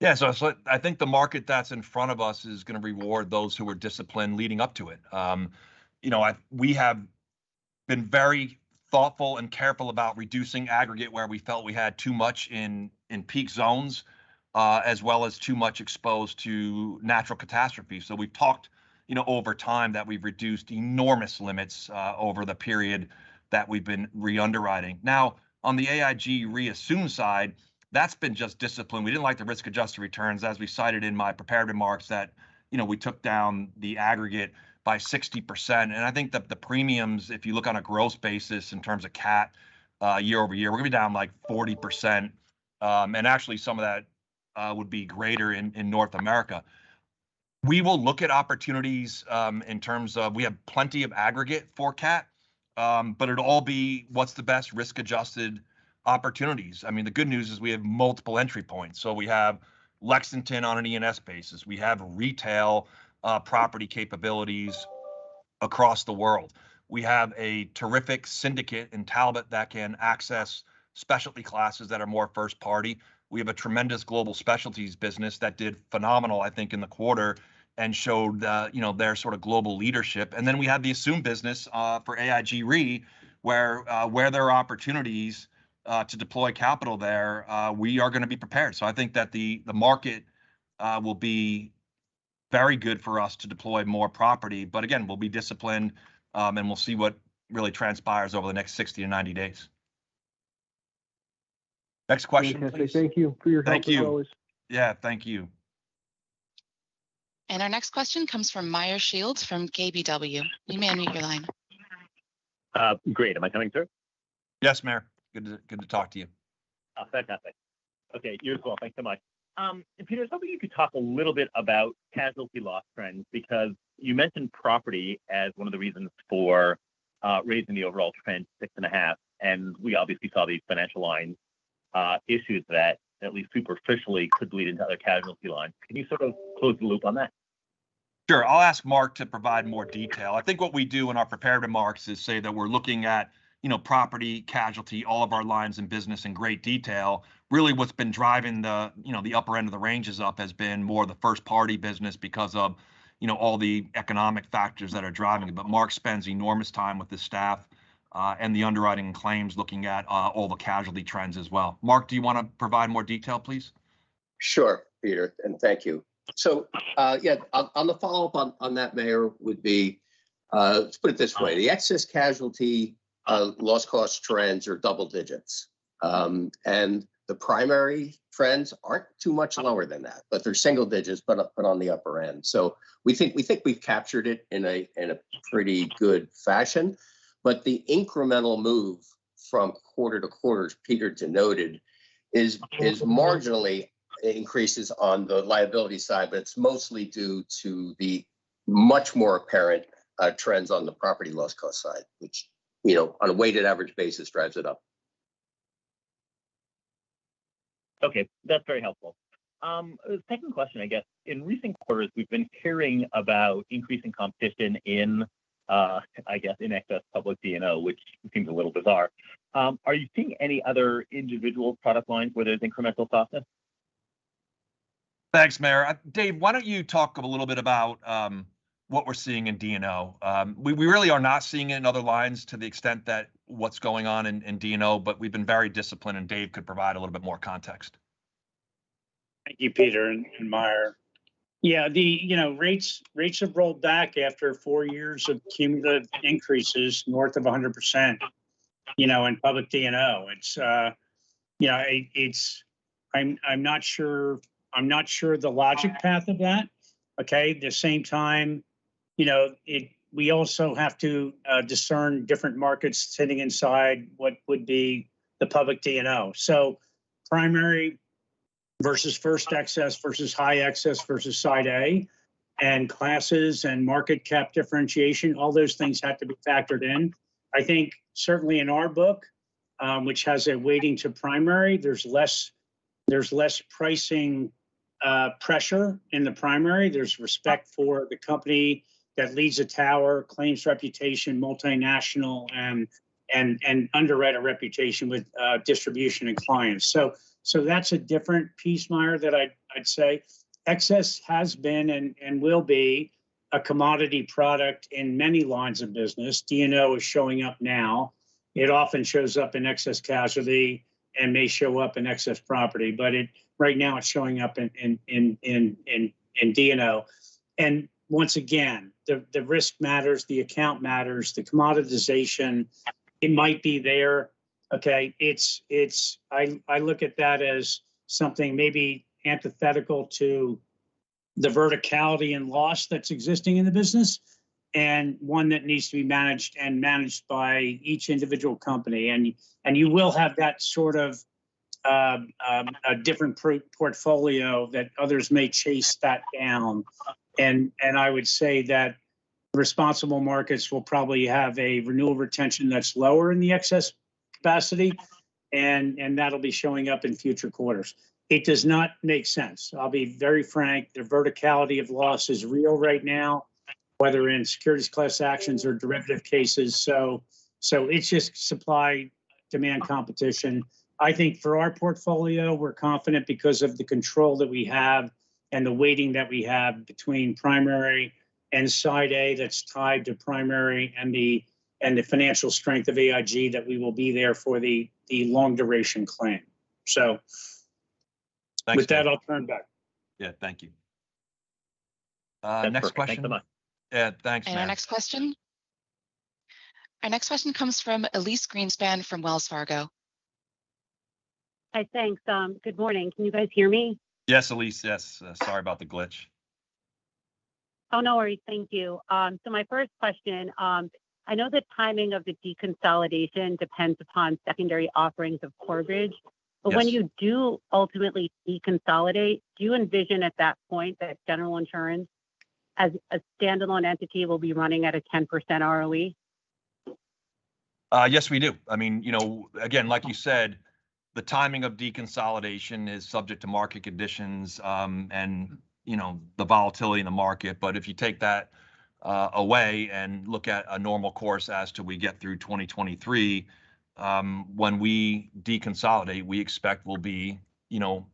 Yeah, so I think the market that's in front of us is gonna reward those who are disciplined leading up to it. You know, we have been very thoughtful and careful about reducing aggregate where we felt we had too much in peak zones, as well as too much exposed to natural catastrophes. We've talked, you know, over time that we've reduced enormous limits over the period that we've been re-underwriting. Now, on the AIG Re side, that's been just discipline. We didn't like the risk-adjusted returns, as we cited in my prepared remarks, that, you know, we took down the aggregate by 60%. I think that the premiums, if you look on a gross basis in terms of CAT, year-over-year, we're gonna be down like 40%. Actually some of that would be greater in North America. We will look at opportunities in terms of we have plenty of aggregate for CAT, but it'll all be what's the best risk-adjusted opportunities. I mean, the good news is we have multiple entry points. We have Lexington on an E&S basis. We have retail property capabilities across the world. We have a terrific syndicate in Talbot that can access specialty classes that are more first party. We have a tremendous Global Specialty business that did phenomenal, I think, in the quarter and showed, you know, their sort of global leadership. Then we have the assume business for AIG Re where there are opportunities to deploy capital there, we are gonna be prepared. I think that the market will be very good for us to deploy more property. Again, we'll be disciplined, and we'll see what really transpires over the next 60-90 days. Next question. Fantastic. Thank you for your time as always. Thank you. Yeah. Thank you. Our next question comes from Meyer Shields from KBW. You may unmute your line. Great. Am I coming through? Yes, Meyer. Good to talk to you. Oh, fantastic. Okay. You as well. Thanks so much. Peter, I was hoping you could talk a little bit about casualty loss trends because you mentioned property as one of the reasons for raising the overall trend 6.5%, and we obviously saw these Financial Lines issues that at least superficially could bleed into other casualty lines. Can you sort of close the loop on that? Sure. I'll ask Mark to provide more detail. I think what we do in our prepared remarks is say that we're looking at, you know, property, casualty, all of our lines in business in great detail. Really what's been driving the, you know, the upper end of the ranges up has been more the first party business because of, you know, all the economic factors that are driving it. But Mark spends enormous time with the staff, and the underwriting claims looking at all the casualty trends as well. Mark, do you wanna provide more detail, please? Sure, Peter, and thank you. Yeah, on the follow-up on that, Meyer, would be, let's put it this way. The excess casualty loss cost trends are double digits. The primary trends aren't too much lower than that, but they're single digits, but on the upper end. We think we've captured it in a pretty good fashion. The incremental move from quarter to quarter, as Peter denoted, is marginally increases on the liability side, but it's mostly due to the much more apparent trends on the property loss cost side, which, you know, on a weighted average basis, drives it up. Okay. That's very helpful. Second question, I guess. In recent quarters, we've been hearing about increasing competition in, I guess, in excess public D&O, which seems a little bizarre. Are you seeing any other individual product lines where there's incremental softness? Thanks, Meyer. David, why don't you talk a little bit about what we're seeing in D&O? We really are not seeing it in other lines to the extent that what's going on in D&O, but we've been very disciplined, and David could provide a little bit more context. Thank you, Peter and Meyer. Yeah, the rates have rolled back after four years of cumulative increases north of 100%, you know, in public D&O. I'm not sure the logic path of that, okay? At the same time, you know, we also have to discern different markets sitting inside what would be the public D&O. Primary versus first excess versus high excess versus Side A and classes and market cap differentiation, all those things have to be factored in. I think certainly in our book, which has a weighting to primary, there's less pricing pressure in the primary. There's respect for the company that leads a tower, claims reputation, multinational, and underwriter reputation with distribution and clients. That's a different piece, Meyer, that I'd say. Excess has been and will be a commodity product in many lines of business. D&O is showing up now. It often shows up in excess casualty and may show up in excess property, but right now it's showing up in D&O. Once again, the risk matters, the account matters, the commoditization, it might be there, okay? It's I look at that as something maybe antithetical to the verticality and loss that's existing in the business, and one that needs to be managed by each individual company. You will have that sort of a different portfolio that others may chase that down. I would say that responsible markets will probably have a renewal retention that's lower in the excess capacity and that'll be showing up in future quarters. It does not make sense. I'll be very frank, the severity of loss is real right now, whether in securities class actions or derivative cases. It's just supply-demand competition. I think for our portfolio, we're confident because of the control that we have and the weighting that we have between primary and Side A that's tied to primary and the financial strength of AIG that we will be there for the long duration claim. Thanks, Dave. With that, I'll turn back. Yeah, thank you. Next question. That's perfect. Thanks so much. Yeah, thanks, man. Our next question comes from Elyse Greenspan from Wells Fargo. Hi, thanks. Good morning. Can you guys hear me? Yes, Elyse, yes. Sorry about the glitch. Oh, no worries. Thank you. My first question, I know the timing of the deconsolidation depends upon secondary offerings of Corebridge. Yes. When you do ultimately deconsolidate, do you envision at that point that General Insurance as a standalone entity will be running at a 10% ROE? Yes, we do. I mean, you know, again, like you said, the timing of deconsolidation is subject to market conditions and, you know, the volatility in the market. If you take that away and look at a normal course as we get through 2023, when we deconsolidate, we expect we'll be, you know,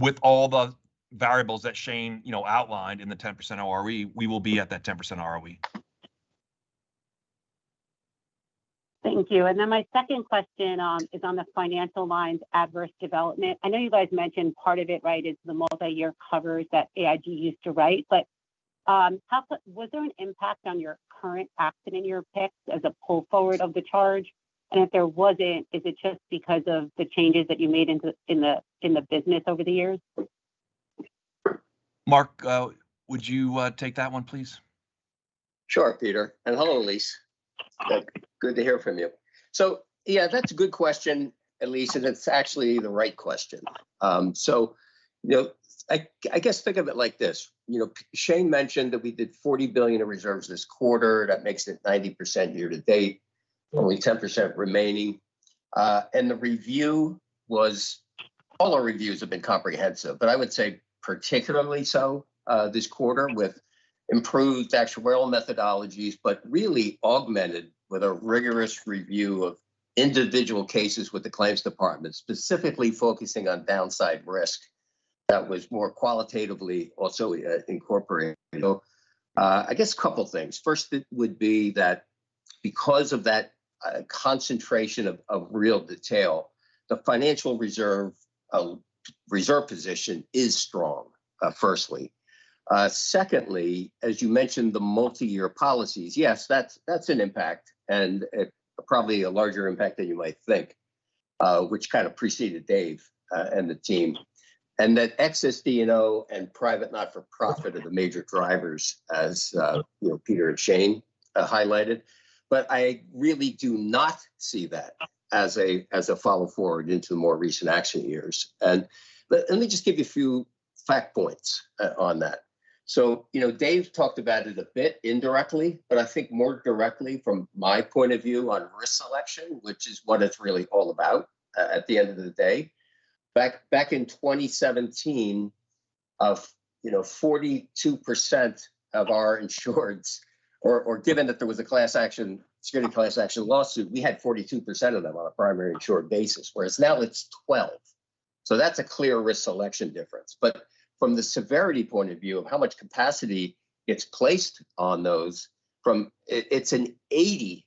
with all the variables that Shane, you know, outlined in the 10% ROE, we will be at that 10% ROE. Thank you. My second question is on the Financial Lines adverse development. I know you guys mentioned part of it, right, is the multi-year covers that AIG used to write. How was there an impact on your current accident year picks as a pull forward of the charge? And if there wasn't, is it just because of the changes that you made in the business over the years? Mark, would you take that one, please? Sure, Peter. Hello, Elyse. Good to hear from you. Yeah, that's a good question, Elyse, and it's actually the right question. You know, I guess think of it like this. You know, Shane mentioned that we did $40 billion in reserves this quarter. That makes it 90% year-to-date, only 10% remaining. All our reviews have been comprehensive, but I would say particularly so this quarter with improved actuarial methodologies, but really augmented with a rigorous review of individual cases with the claims department, specifically focusing on downside risk that was more qualitatively also incorporated. I guess a couple of things. First, it would be that because of that concentration of real detail, the financial reserve position is strong, firstly. Secondly, as you mentioned, the multi-year policies. Yes, that's an impact and probably a larger impact than you might think, which kind of preceded David and the team. That excess D&O and private not-for-profit are the major drivers as you know, Peter and Shane highlighted. I really do not see that as a flow forward into the more recent accident years. Let me just give you a few facts on that. You know, David talked about it a bit indirectly, but I think more directly from my point of view on risk selection, which is what it's really all about at the end of the day. Back in 2017, you know, 42% of our insurance, given that there was a class action securities class action lawsuit, we had 42% of them on a primary insured basis, whereas now it's 12%. That's a clear risk selection difference. From the severity point of view of how much capacity gets placed on those, it's an 80%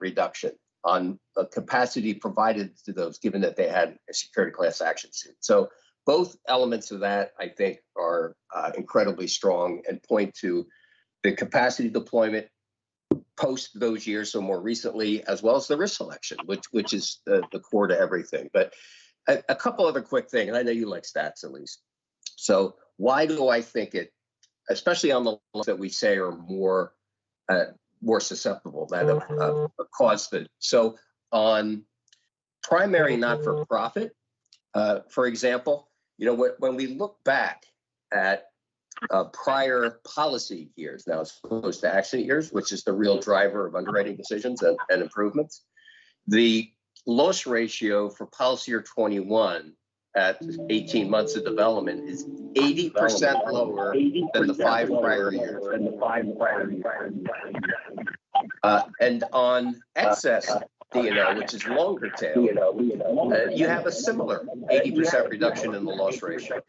reduction on capacity provided to those given that they had a securities class action suit. Both elements of that I think are incredibly strong and point to the capacity deployment post those years, more recently, as well as the risk selection, which is he core to everything. A couple other quick things, and I know you like stats, Elyse. Why do I think it, especially on the ones that we say are more susceptible? On primary not-for-profit, for example, when we look back at prior policy years, now as opposed to accident years, which is the real driver of underwriting decisions and improvements, the loss ratio for policy year 2021 at 18 months of development is 80% lower than the five prior years. And on excess D&O, which is longer tail, you have a similar 80% reduction in the loss ratio.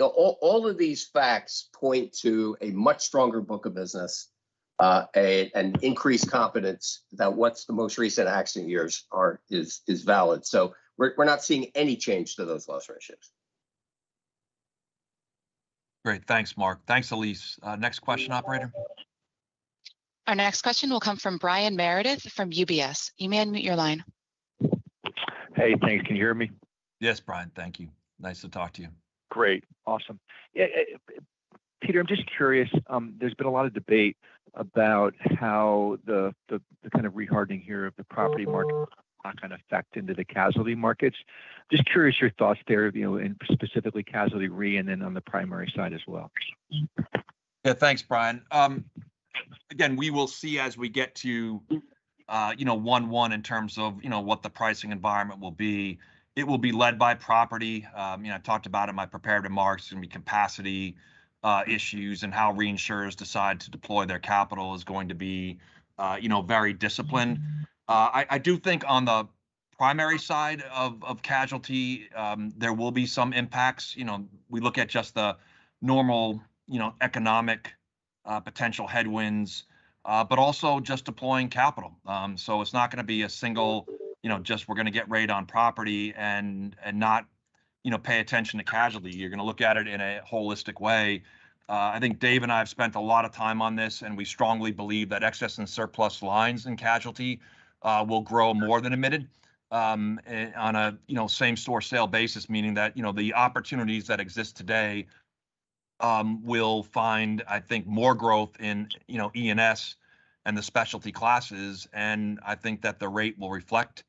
All of these facts point to a much stronger book of business, an increased confidence that what's the most recent accident years are is valid. We're not seeing any change to those loss ratios. Great. Thanks, Mark. Thanks, Elyse. Next question, operator. Our next question will come from Brian Meredith from UBS. You may unmute your line. Hey, thanks. Can you hear me? Yes, Brian. Thank you. Nice to talk to you. Great. Awesome. Yeah, Peter, I'm just curious. There's been a lot of debate about how the kind of rehardening here of the property market might kind of affect into the casualty markets. Just curious your thoughts there, you know, in specifically casualty re and then on the primary side as well. Yeah. Thanks, Brian. Again, we will see as we get to 1/1 in terms of you know what the pricing environment will be. It will be led by property. You know, I talked about in my prepared remarks gonna be capacity issues and how reinsurers decide to deploy their capital is going to be you know very disciplined. I do think on the primary side of casualty there will be some impacts. You know, we look at just the normal you know economic potential headwinds but also just deploying capital. It's not gonna be a single you know just we're gonna get rate on property and not you know pay attention to casualty. You're gonna look at it in a holistic way. I think David and I have spent a lot of time on this, and we strongly believe that excess and surplus lines in casualty will grow more than admitted on a you know same store sale basis, meaning that you know the opportunities that exist today will find, I think, more growth in you know E&S and the specialty classes, and I think that the rate will reflect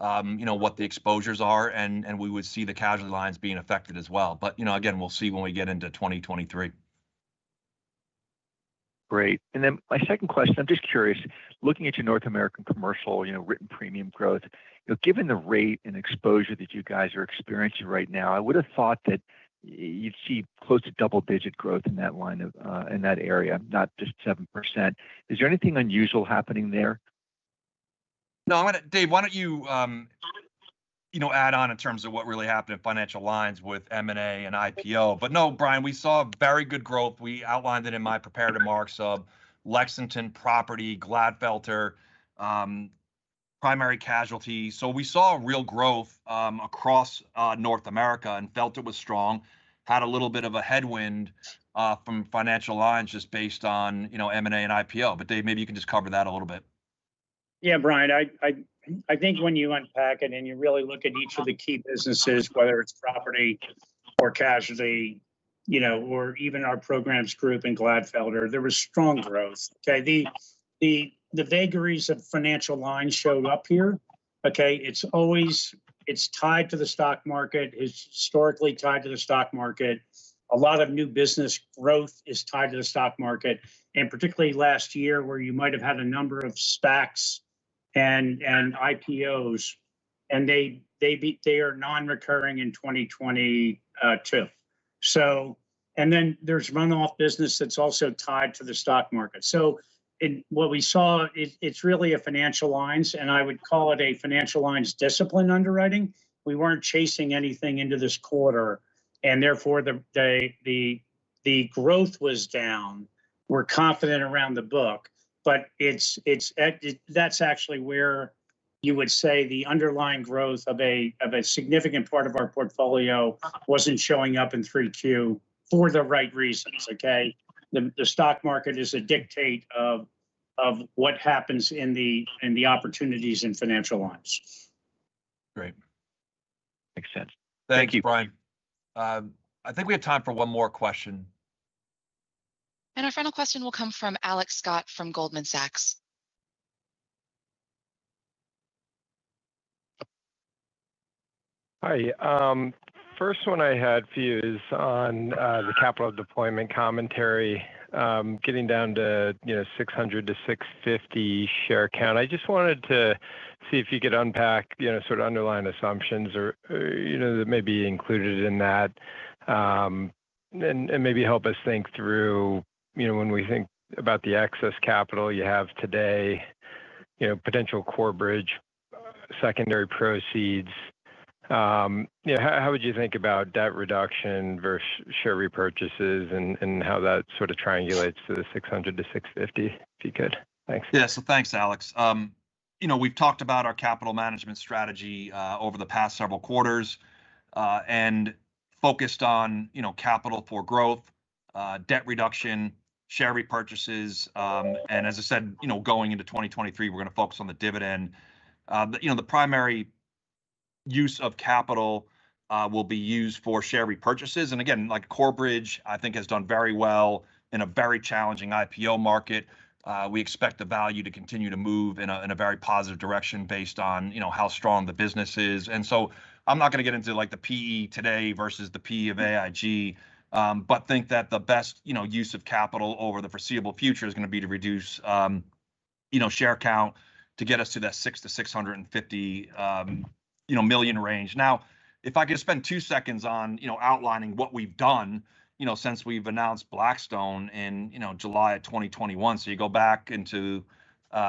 you know what the exposures are, and we would see the casualty lines being affected as well. You know, again, we'll see when we get into 2023. Great. My second question, I'm just curious, looking at your North America Commercial, you know, written premium growth, you know, given the rate and exposure that you guys are experiencing right now, I would have thought that you'd see close to double-digit growth in that line of, in that area, not just 7%. Is there anything unusual happening there? No, I'm gonna, David, why don't you know, add on in terms of what really happened at Financial Lines with M&A and IPO. No, Brian, we saw very good growth. We outlined it in my prepared remarks of Lexington property, Glatfelter, primary casualty. We saw a real growth across North America and felt it was strong. Had a little bit of a headwind from Financial Lines just based on, you know, M&A and IPO. David, maybe you can just cover that a little bit. Yeah, Brian, I think when you unpack it and you really look at each of the key businesses, whether it's property or casualty, you know, or even our programs group in Glatfelter, there was strong growth. Okay. The vagaries of Financial Lines showed up here. Okay. It's always. It's tied to the stock market. It's historically tied to the stock market. A lot of new business growth is tied to the stock market. Particularly last year, where you might have had a number of SPACs and IPOs, and they are non-recurring in 2022. There's run-off business that's also tied to the stock market. In what we saw, it's really a Financial Lines, and I would call it a Financial Lines discipline underwriting. We weren't chasing anything into this quarter, and therefore, the growth was down. We're confident around the book, but that's actually where you would say the underlying growth of a significant part of our portfolio wasn't showing up in 3Q for the right reasons. Okay. The stock market is a dictate of what happens in the opportunities in Financial Lines. Great. Makes sense. Thank you. Thank you, Brian. I think we have time for one more question. Our final question will come from Alex Scott from Goldman Sachs. Hi. First one I had for you is on the capital deployment commentary, getting down to, you know, 600 million-650 million share count. I just wanted to see if you could unpack, you know, sort of underlying assumptions or, you know, that may be included in that. And maybe help us think through, you know, when we think about the excess capital you have today, you know, potential Corebridge secondary proceeds. You know, how would you think about debt reduction versus share repurchases and how that sort of triangulates to the 600 million-650 million share count, if you could? Thanks. Yeah. Thanks, Alex. You know, we've talked about our capital management strategy over the past several quarters and focused on, you know, capital for growth, debt reduction, share repurchases, and as I said, you know, going into 2023, we're gonna focus on the dividend. You know, the primary use of capital will be used for share repurchases. Again, like, Corebridge, I think has done very well in a very challenging IPO market. We expect the value to continue to move in a very positive direction based on, you know, how strong the business is. I'm not gonna get into, like, the PE today versus the PE of AIG, but think that the best, you know, use of capital over the foreseeable future is gonna be to reduce, you know, share count to get us to that 6 to 650 million range. Now, if I could spend two seconds on, you know, outlining what we've done, you know, since we've announced Blackstone in, you know, July of 2021. You go back into,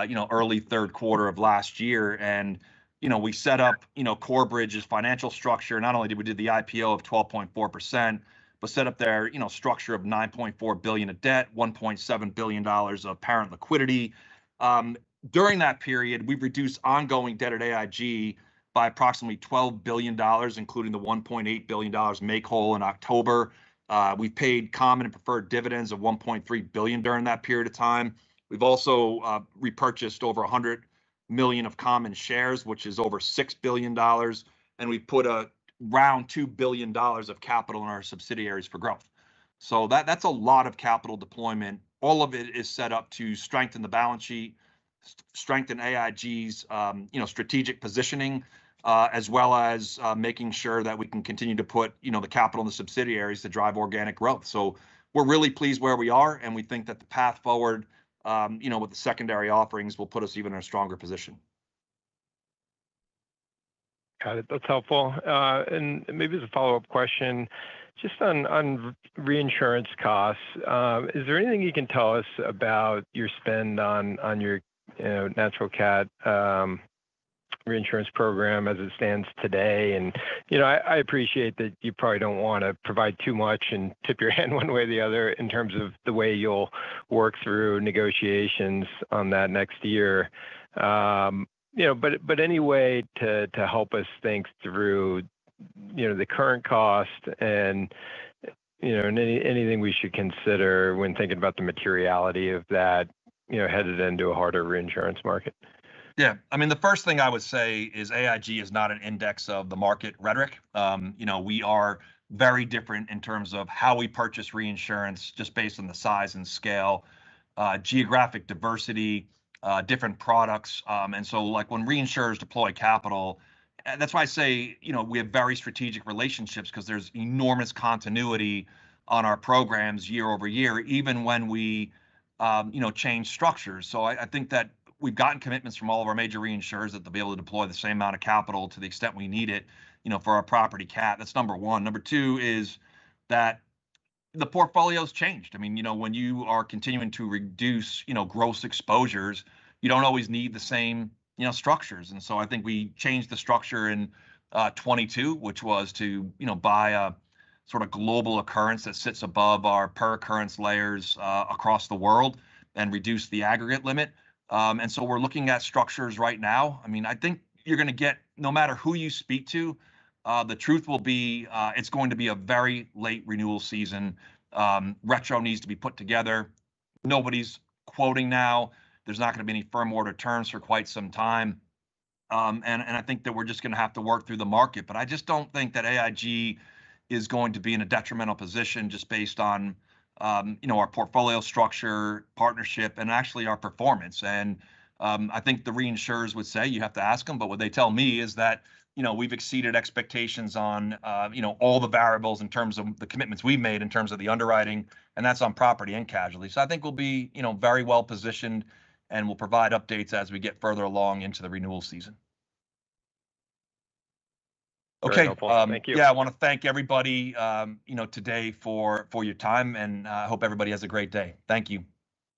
you know, early third quarter of last year and, you know, we set up, you know, Corebridge's financial structure. Not only did we do the IPO of 12.4%, but set up their, you know, structure of $9.4 billion of debt, $1.7 billion of parent liquidity. During that period, we've reduced ongoing debt at AIG by approximately $12 billion, including the $1.8 billion make-whole in October. We've paid common and preferred dividends of $1.3 billion during that period of time. We've also repurchased over 100 million of common shares, which is over $6 billion, and we've put around $2 billion of capital in our subsidiaries for growth. That, that's a lot of capital deployment. All of it is set up to strengthen the balance sheet, strengthen AIG's, you know, strategic positioning, as well as making sure that we can continue to put, you know, the capital in the subsidiaries to drive organic growth. We're really pleased where we are, and we think that the path forward, you know, with the secondary offerings will put us even in a stronger position. Got it. That's helpful. Maybe as a follow-up question, just on reinsurance costs, is there anything you can tell us about your spend on your natural cat reinsurance program as it stands today? You know, I appreciate that you probably don't want to provide too much and tip your hand one way or the other in terms of the way you'll work through negotiations on that next year. But any way to help us think through the current cost and anything we should consider when thinking about the materiality of that headed into a harder reinsurance market. Yeah. I mean, the first thing I would say is AIG is not an index of the market rhetoric. You know, we are very different in terms of how we purchase reinsurance, just based on the size and scale, geographic diversity, different products. Like, when reinsurers deploy capital. That's why I say, you know, we have very strategic relationships because there's enormous continuity on our programs year over year, even when we, you know, change structures. I think that we've gotten commitments from all of our major reinsurers that they'll be able to deploy the same amount of capital to the extent we need it, you know, for our property cat. That's number one. Number two is that the portfolio's changed. I mean, you know, when you are continuing to reduce, you know, gross exposures, you don't always need the same, you know, structures. I think we changed the structure in 2022, which was to, you know, buy a sort of global occurrence that sits above our per occurrence layers across the world and reduce the aggregate limit. We're looking at structures right now. I mean, I think you're gonna get, no matter who you speak to, the truth will be, it's going to be a very late renewal season. Retro needs to be put together. Nobody's quoting now. There's not gonna be any firm order terms for quite some time. I think that we're just gonna have to work through the market. I just don't think that AIG is going to be in a detrimental position just based on, you know, our portfolio structure, partnership, and actually our performance. I think the reinsurers would say, you'd have to ask them, but what they tell me is that, you know, we've exceeded expectations on, you know, all the variables in terms of the commitments we've made, in terms of the underwriting, and that's on property and casualty. I think we'll be, you know, very well-positioned, and we'll provide updates as we get further along into the renewal season. Okay. Very helpful. Thank you. Yeah. I want to thank everybody, you know, today for your time, and hope everybody has a great day. Thank you.